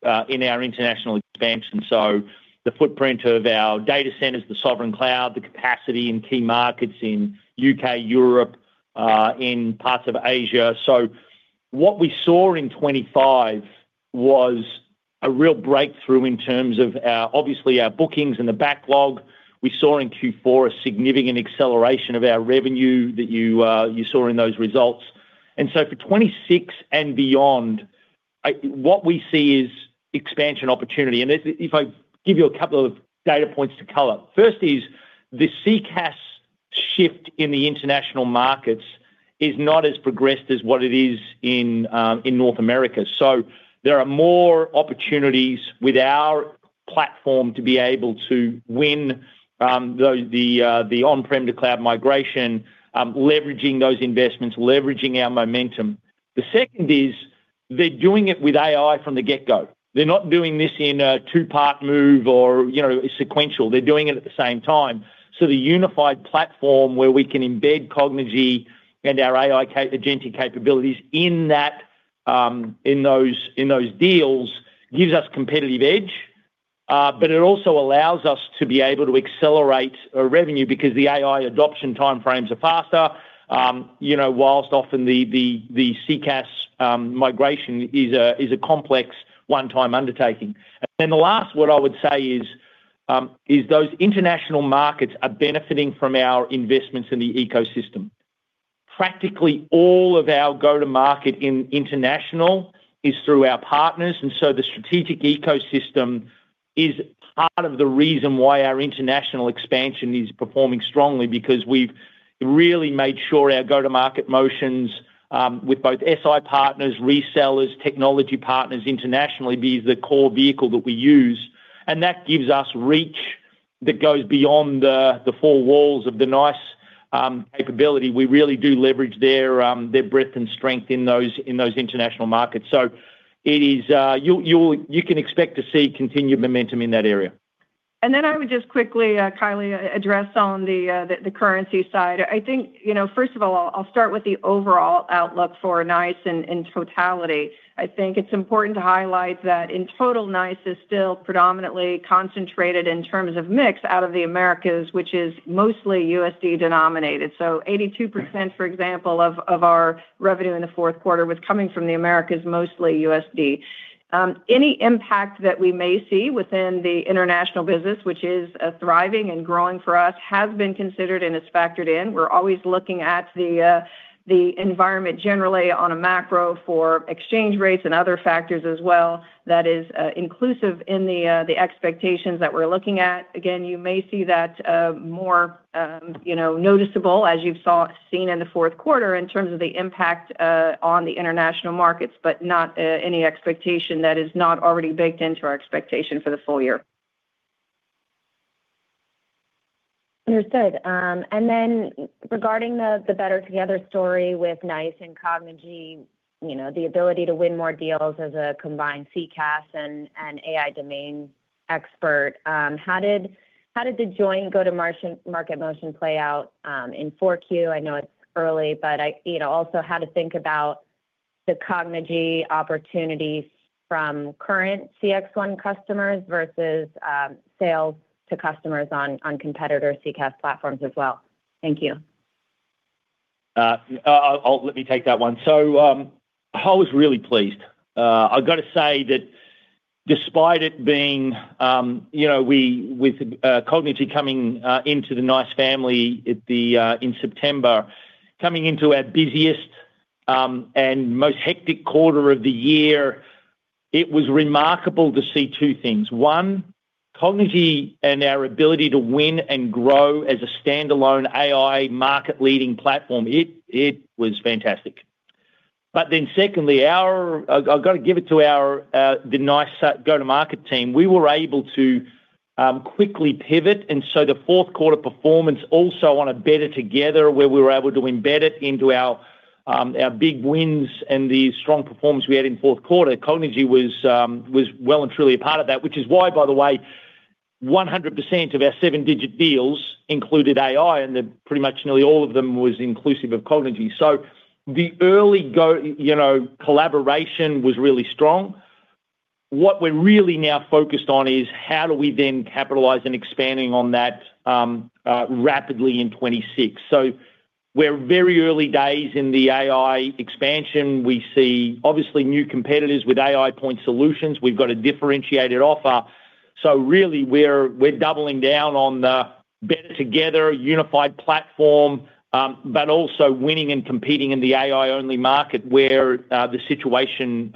our international expansion. So the footprint of our data centers, the sovereign cloud, the capacity in key markets in U.K., Europe, in parts of Asia. So what we saw in 2025 was a real breakthrough in terms of our, obviously, our bookings and the backlog. We saw in Q4 a significant acceleration of our revenue that you saw in those results. And so for 2026 and beyond, what we see is expansion opportunity. And if I give you a couple of data points to color. First is, the CCaaS shift in the international markets is not as progressed as what it is in North America. So there are more opportunities with our platform to be able to win the on-prem to cloud migration, leveraging those investments, leveraging our momentum. The second is, they're doing it with AI from the get-go. They're not doing this in a two-part move or, you know, sequential. They're doing it at the same time. So the unified platform where we can embed Cognigy and our AI Cognigy capabilities in that, in those deals, gives us competitive edge, but it also allows us to be able to accelerate our revenue because the AI adoption time frames are faster, you know, while often the CCaaS migration is a complex one-time undertaking. And then the last, what I would say is, is those international markets are benefiting from our investments in the ecosystem. Practically all of our go-to-market in international is through our partners, and so the strategic ecosystem is part of the reason why our international expansion is performing strongly, because we've really made sure our go-to-market motions, with both SI partners, resellers, technology partners internationally, be the core vehicle that we use. And that gives us reach that goes beyond the four walls of the NiCE capability. We really do leverage their, their breadth and strength in those international markets. So it is, you'll, you can expect to see continued momentum in that area. Then I would just quickly, Kiley, address on the currency side. I think, you know, first of all, I'll start with the overall outlook for NiCE in totality. I think it's important to highlight that in total, NiCE is still predominantly concentrated in terms of mix out of the Americas, which is mostly USD denominated. So 82%, for example, of our revenue in the Q4 was coming from the Americas, mostly USD. Any impact that we may see within the international business, which is thriving and growing for us, has been considered and is factored in. We're always looking at the environment generally on a macro for exchange rates and other factors as well. That is inclusive in the expectations that we're looking at. Again, you may see that, more, you know, noticeable as you've seen in the fourth quarter in terms of the impact on the international markets, but not any expectation that is not already baked into our expectation for the full year. Understood. And then regarding the Better Together story with NiCE and Cognigy, you know, the ability to win more deals as a combined CCaaS and AI domain expert, how did the joint go-to-market motion play out in 4Q? I know it's early, but you know, also how to think about the Cognigy opportunities from current CXone customers versus sales to customers on competitor CCaaS platforms as well. Thank you. I'll... Let me take that one. So, I was really pleased. I've got to say that despite it being, you know, we with Cognigy coming into the NiCE family at the in September, coming into our busiest and most hectic quarter of the year, it was remarkable to see two things. One, Cognigy and our ability to win and grow as a standalone AI market-leading platform, it was fantastic. But then secondly, our... I've got to give it to the NiCE go-to-market team. We were able to quickly pivot, and so the Q4 performance also on a better together, where we were able to embed it into our big wins and the strong performance we had in Q4. Cognigy was well and truly a part of that, which is why, by the way, 100% of our seven-digit deals included AI, and pretty much nearly all of them was inclusive of Cognigy. So the early go, you know, collaboration was really strong. What we're really now focused on is how do we then capitalize and expanding on that rapidly in 2026. So we're very early days in the AI expansion. We see obviously new competitors with AI point solutions. We've got a differentiated offer. So really, we're doubling down on the better together unified platform, but also winning and competing in the AI-only market where the situation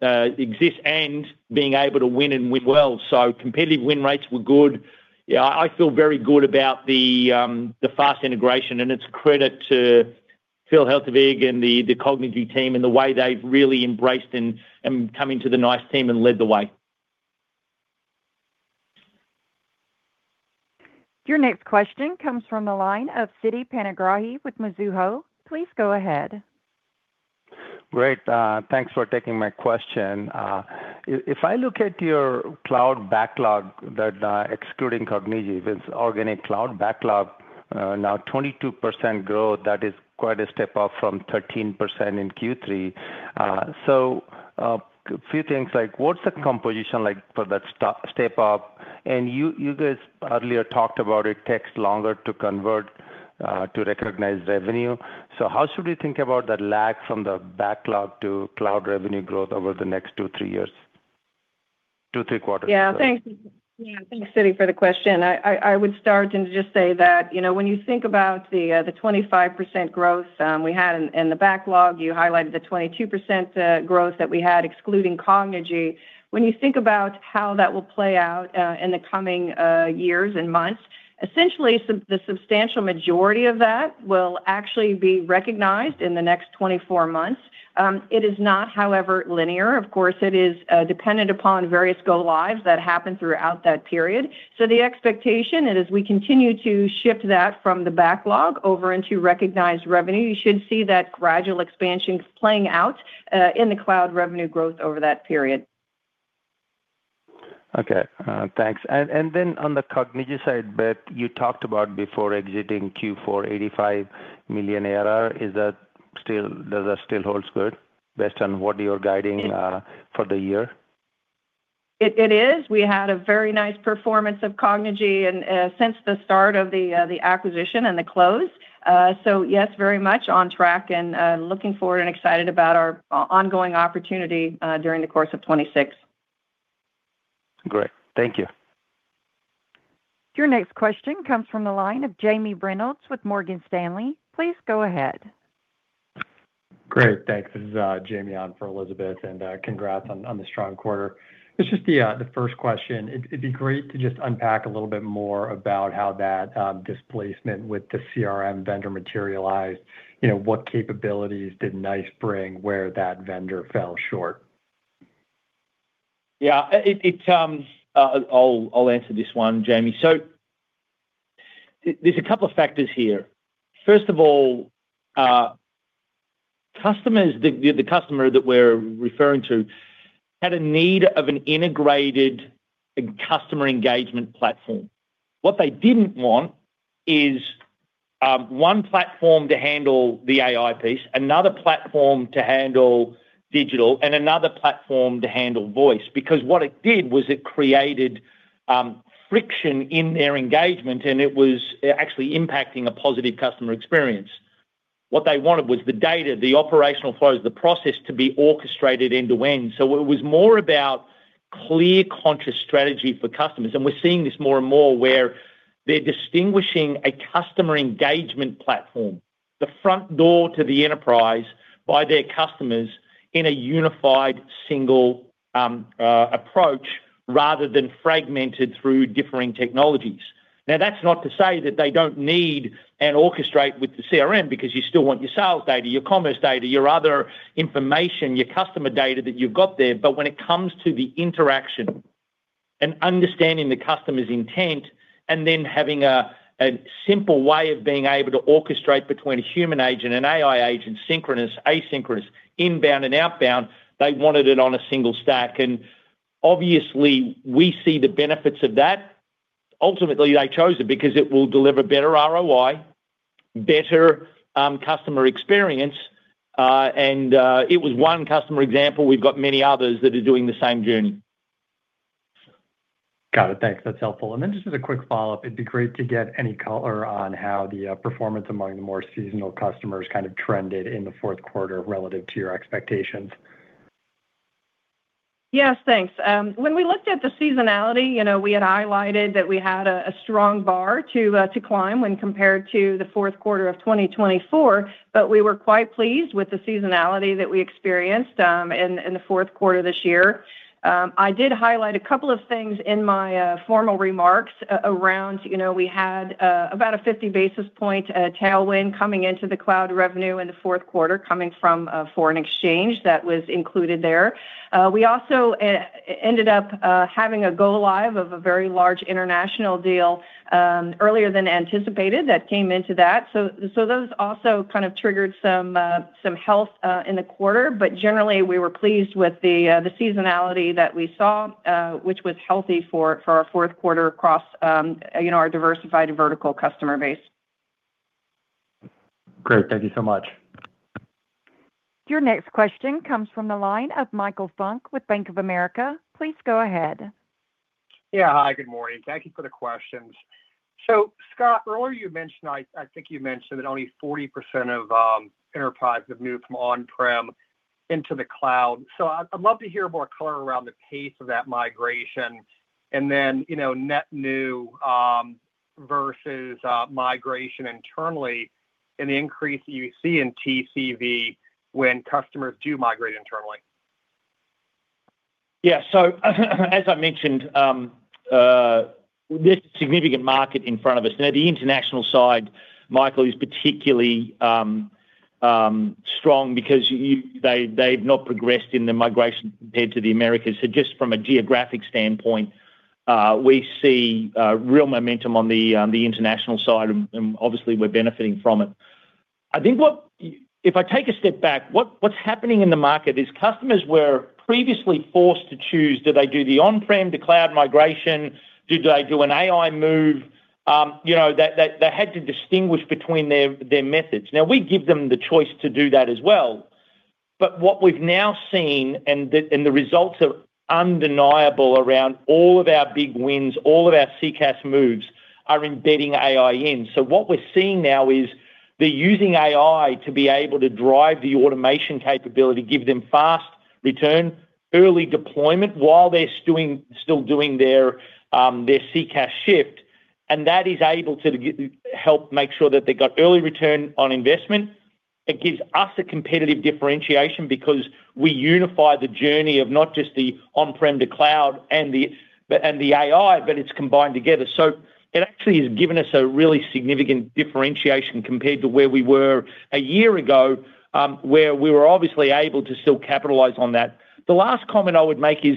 exists and being able to win and win well. So competitive win rates were good. Yeah, I feel very good about the fast integration, and its credit to Philipp Heltewig and the Cognigy team and the way they've really embraced and come into the NiCE team and led the way. Your next question comes from the line of Siti Panigrahi with Mizuho. Please go ahead. Great. Thanks for taking my question. If I look at your cloud backlog that, excluding Cognigy, it's organic cloud backlog, now 22% growth, that is quite a step up from 13% in Q3. So a few things, like, what's the composition like for that step up? And you guys earlier talked about it takes longer to convert to recognize revenue. So how should we think about that lag from the backlog to cloud revenue growth over the next 2-3 years? 2-3 quarters. Yeah. Thanks, yeah, thanks, Siti, for the question. I would start and just say that, you know, when you think about the 25% growth we had in the backlog, you highlighted the 22% growth that we had, excluding Cognigy. When you think about how that will play out in the coming years and months, essentially the substantial majority of that will actually be recognized in the next 24 months. It is not, however, linear. Of course, it is dependent upon various go-lives that happen throughout that period. So the expectation, and as we continue to shift that from the backlog over into recognized revenue, you should see that gradual expansion playing out in the cloud revenue growth over that period. Okay, thanks. And then on the Cognigy side, Beth, you talked about before exiting Q4, $85 million ARR. Is that still--does that still holds good based on what you're guiding, for the year? It is. We had a very nice performance of Cognigy and since the start of the acquisition and the close. So yes, very much on track and looking forward and excited about our ongoing opportunity during the course of 2026. Great. Thank you. Your next question comes from the line of Jamie Reynolds with Morgan Stanley. Please go ahead. Great, thanks. This is Jamie on for Elizabeth, and congrats on the strong quarter. It's just the first question. It'd be great to just unpack a little bit more about how that displacement with the CRM vendor materialized. You know, what capabilities did NiCE bring where that vendor fell short? Yeah, I'll answer this one, Jamie. So there's a couple of factors here. First of all, customers, the customer that we're referring to had a need of an integrated customer engagement platform. What they didn't want is one platform to handle the AI piece, another platform to handle digital, and another platform to handle voice. Because what it did was it created friction in their engagement, and it was actually impacting a positive customer experience. What they wanted was the data, the operational flows, the process to be orchestrated end to end. So it was more about clear, conscious strategy for customers, and we're seeing this more and more, where they're distinguishing a customer engagement platform, the front door to the enterprise by their customers in a unified single approach, rather than fragmented through differing technologies. Now, that's not to say that they don't need and orchestrate with the CRM because you still want your sales data, your commerce data, your other information, your customer data that you've got there. But when it comes to the interaction and understanding the customer's intent, and then having a simple way of being able to orchestrate between a human agent, an AI agent, synchronous, asynchronous, inbound, and outbound, they wanted it on a single stack. And obviously, we see the benefits of that. Ultimately, they chose it because it will deliver better ROI, better customer experience, and it was one customer example. We've got many others that are doing the same journey. Got it. Thanks. That's helpful. And then just as a quick follow-up, it'd be great to get any color on how the performance among the more seasonal customers kind of trended in the Q4 relative to your expectations. Yes, thanks. When we looked at the seasonality, you know, we had highlighted that we had a strong bar to climb when compared to the Q4 of 2024, but we were quite pleased with the seasonality that we experienced in the Q4 this year. I did highlight a couple of things in my formal remarks around, you know, we had about a 50 basis point tailwind coming into the cloud revenue in the Q4, coming from a foreign exchange that was included there. We also ended up having a go-live of a very large international deal earlier than anticipated. That came into that. So those also kind of triggered some health in the quarter, but generally, we were pleased with the seasonality that we saw, which was healthy for our Q4 across, you know, our diversified vertical customer base. Great. Thank you so much. Your next question comes from the line of Michael Funk with Bank of America. Please go ahead. Yeah. Hi, good morning. Thank you for the questions. So Scott, earlier you mentioned, I think you mentioned that only 40% of enterprises have moved from on-prem into the cloud. So I'd love to hear more color around the pace of that migration, and then, you know, net new versus migration internally and the increase you see in TCV when customers do migrate internally. Yeah. So, as I mentioned, there's a significant market in front of us. Now, the international side, Michael, is particularly strong because they've not progressed in the migration compared to the Americas. So just from a geographic standpoint, we see real momentum on the international side, and obviously, we're benefiting from it. I think what. If I take a step back, what's happening in the market is customers were previously forced to choose, do they do the on-prem to cloud migration? Do they do an AI move? You know, they had to distinguish between their methods. Now, we give them the choice to do that as well, but what we've now seen, and the results are undeniable around all of our big wins, all of our CCaaS moves are embedding AI in. So what we're seeing now is, they're using AI to be able to drive the automation capability, give them fast return, early deployment, while they're still, still doing their CCaaS shift, and that is able to help make sure that they got early return on investment. It gives us a competitive differentiation because we unify the journey of not just the on-prem to cloud, but the AI, but it's combined together. So it actually has given us a really significant differentiation compared to where we were a year ago, where we were obviously able to still capitalize on that. The last comment I would make is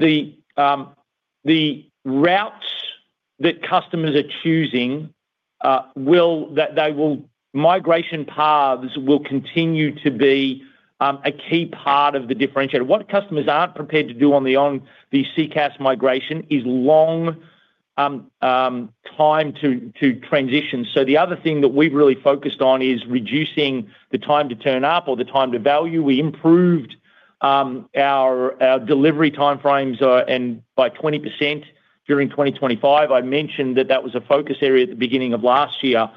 the routes that customers are choosing, migration paths will continue to be a key part of the differentiator. What customers aren't prepared to do on the CCaaS migration is long time to transition. So the other thing that we've really focused on is reducing the time to turn up or the time to value. We improved our delivery time frames and by 20% during 2025. I mentioned that that was a focus area at the beginning of last year.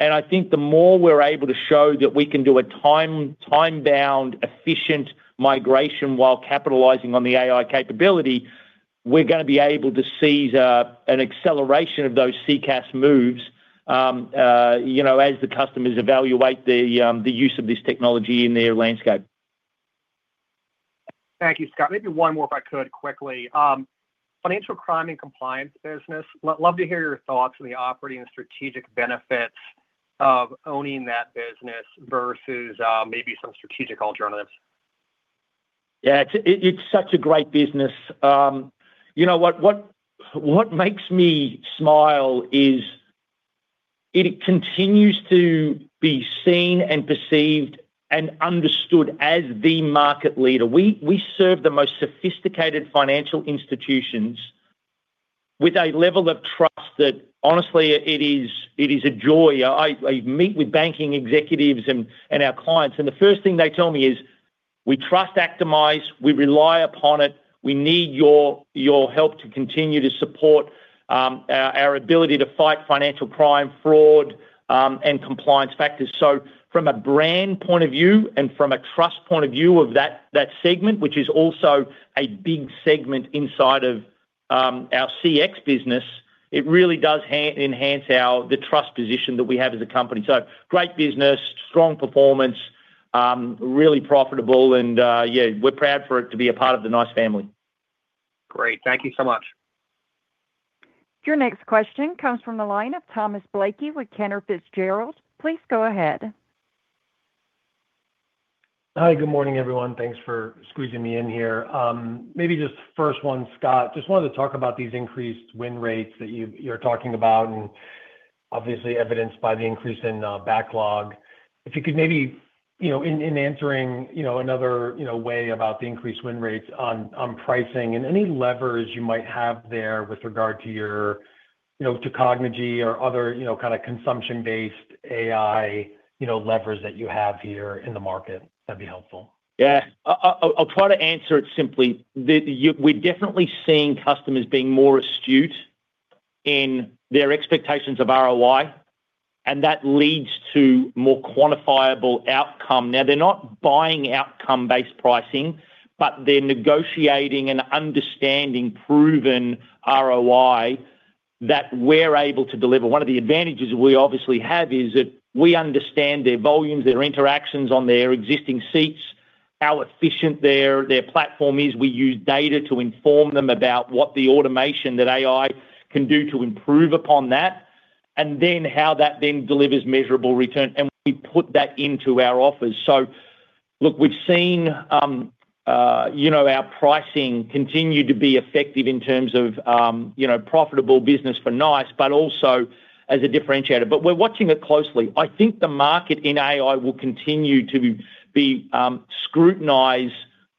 I think the more we're able to show that we can do a time, time-bound, efficient migration while capitalizing on the AI capability, we're gonna be able to seize an acceleration of those CCaaS moves, you know, as the customers evaluate the use of this technology in their landscape. Thank you, Scott. Maybe one more, if I could, quickly. Financial crime and compliance business, love to hear your thoughts on the operating and strategic benefits of owning that business versus, maybe some strategic alternatives. Yeah, it's such a great business. You know, what makes me smile is it continues to be seen and perceived and understood as the market leader. We serve the most sophisticated financial institutions with a level of trust that honestly, it is a joy. I meet with banking executives and our clients, and the first thing they tell me is: "We trust Actimize, we rely upon it. We need your help to continue to support our ability to fight financial crime, fraud, and compliance factors." So from a brand point of view and from a trust point of view of that segment, which is also a big segment inside of our CX business, it really does enhance our trust position that we have as a company. Great business, strong performance, really profitable, and, yeah, we're proud for it to be a part of the NiCE family. Great. Thank you so much. Your next question comes from the line of Thomas Blakey with Cantor Fitzgerald. Please go ahead. Hi, good morning, everyone. Thanks for squeezing me in here. Maybe just first one, Scott, just wanted to talk about these increased win rates that you, you're talking about, and obviously evidenced by the increase in backlog. If you could maybe, you know, in answering, you know, another, you know, way about the increased win rates on pricing and any levers you might have there with regard to your, you know, to Cognigy or other, you know, kinda consumption-based AI, you know, levers that you have here in the market. That'd be helpful. Yeah. I'll try to answer it simply. We're definitely seeing customers being more astute in their expectations of ROI, and that leads to more quantifiable outcome. Now, they're not buying outcome-based pricing, but they're negotiating and understanding proven ROI that we're able to deliver. One of the advantages we obviously have is that we understand their volumes, their interactions on their existing seats, how efficient their platform is. We use data to inform them about what the automation that AI can do to improve upon that, and then how that then delivers measurable return, and we put that into our offers. So look, we've seen you know, our pricing continue to be effective in terms of you know, profitable business for NiCE, but also as a differentiator. But we're watching it closely. I think the market in AI will continue to scrutinize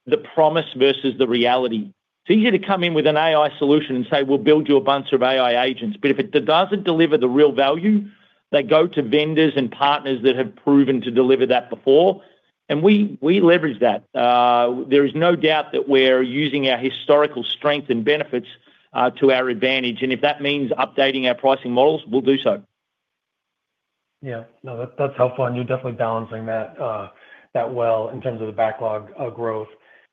the promise versus the reality. It's easier to come in with an AI solution and say, "We'll build you a bunch of AI agents." But if it doesn't deliver the real value, they go to vendors and partners that have proven to deliver that before.... And we leverage that. There is no doubt that we're using our historical strength and benefits to our advantage, and if that means updating our pricing models, we'll do so. Yeah. No, that's helpful, and you're definitely balancing that well in terms of the backlog of growth.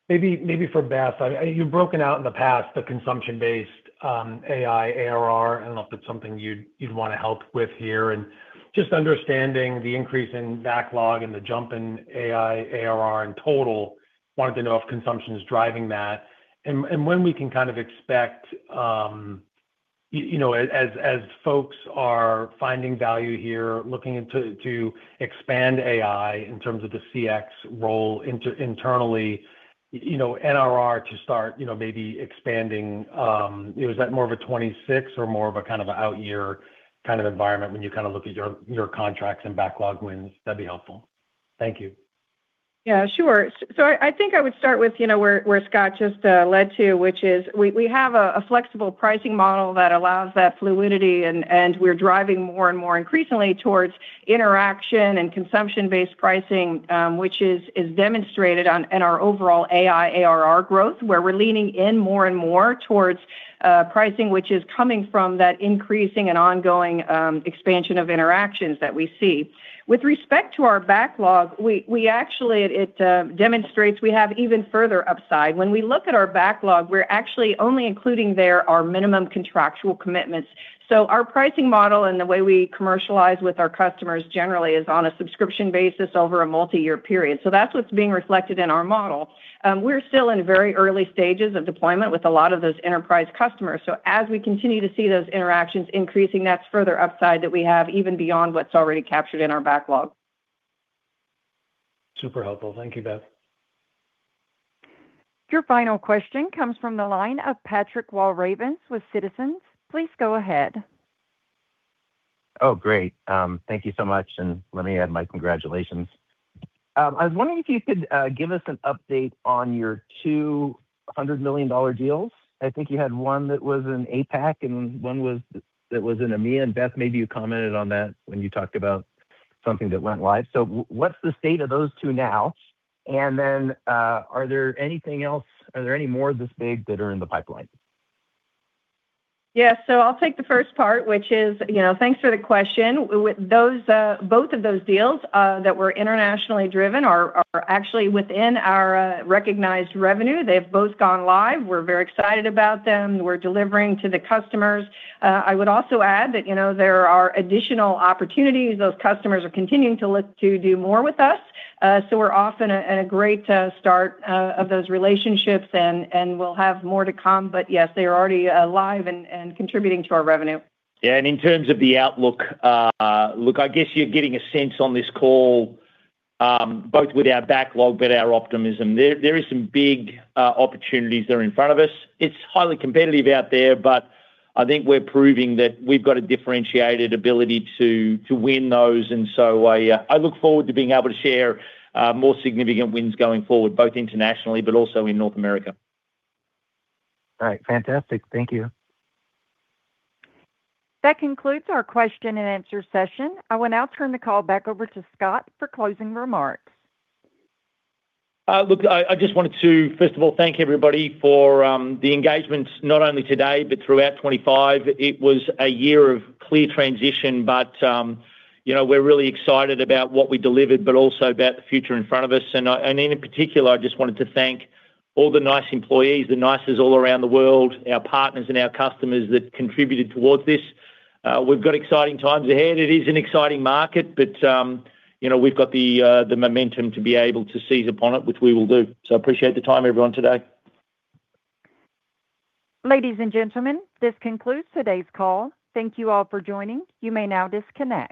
Maybe for Beth, you've broken out in the past the consumption-based AI ARR. I don't know if it's something you'd want to help with here. And just understanding the increase in backlog and the jump in AI ARR in total, wanted to know if consumption is driving that, and when we can kind of expect, you know, as folks are finding value here, looking into to expand AI in terms of the CX role internally, you know, NRR to start, you know, maybe expanding. Is that more of a 2026 or more of a kind of an out year kind of environment when you kind of look at your contracts and backlog wins? That'd be helpful. Thank you. Yeah, sure. So I think I would start with, you know, where Scott just led to, which is we have a flexible pricing model that allows that fluidity, and we're driving more and more increasingly towards interaction and consumption-based pricing, which is demonstrated in our overall AI ARR growth, where we're leaning in more and more towards pricing, which is coming from that increasing and ongoing expansion of interactions that we see. With respect to our backlog, actually, it demonstrates we have even further upside. When we look at our backlog, we're actually only including there our minimum contractual commitments. So our pricing model and the way we commercialize with our customers generally is on a subscription basis over a multi-year period. So that's what's being reflected in our model. We're still in very early stages of deployment with a lot of those enterprise customers. So as we continue to see those interactions increasing, that's further upside that we have even beyond what's already captured in our backlog. Super helpful. Thank you, Beth. Your final question comes from the line of Patrick Walravens with Citizens. Please go ahead. Oh, great. Thank you so much, and let me add my congratulations. I was wondering if you could give us an update on your $200 million deals. I think you had one that was in APAC and one in EMEA, and Beth, maybe you commented on that when you talked about something that went live. So what's the state of those two now? And then, are there any more this big that are in the pipeline? Yeah. So I'll take the first part, which is, you know, thanks for the question. Those both of those deals that were internationally driven are actually within our recognized revenue. They've both gone live. We're very excited about them. We're delivering to the customers. I would also add that, you know, there are additional opportunities. Those customers are continuing to look to do more with us. So we're off in a great start of those relationships, and we'll have more to come, but yes, they are already live and contributing to our revenue. Yeah, and in terms of the outlook, look, I guess you're getting a sense on this call, both with our backlog but our optimism. There is some big opportunities that are in front of us. It's highly competitive out there, but I think we're proving that we've got a differentiated ability to win those. And so I look forward to being able to share more significant wins going forward, both internationally but also in North America. All right. Fantastic. Thank you. That concludes our question and answer session. I will now turn the call back over to Scott for closing remarks. Look, I just wanted to, first of all, thank everybody for the engagement, not only today, but throughout 2025. It was a year of clear transition, but you know, we're really excited about what we delivered, but also about the future in front of us. And in particular, I just wanted to thank all the NiCE employees, the NiCErs all around the world, our partners and our customers that contributed towards this. We've got exciting times ahead. It is an exciting market, but you know, we've got the momentum to be able to seize upon it, which we will do. So appreciate the time, everyone, today. Ladies and gentlemen, this concludes today's call. Thank you all for joining. You may now disconnect.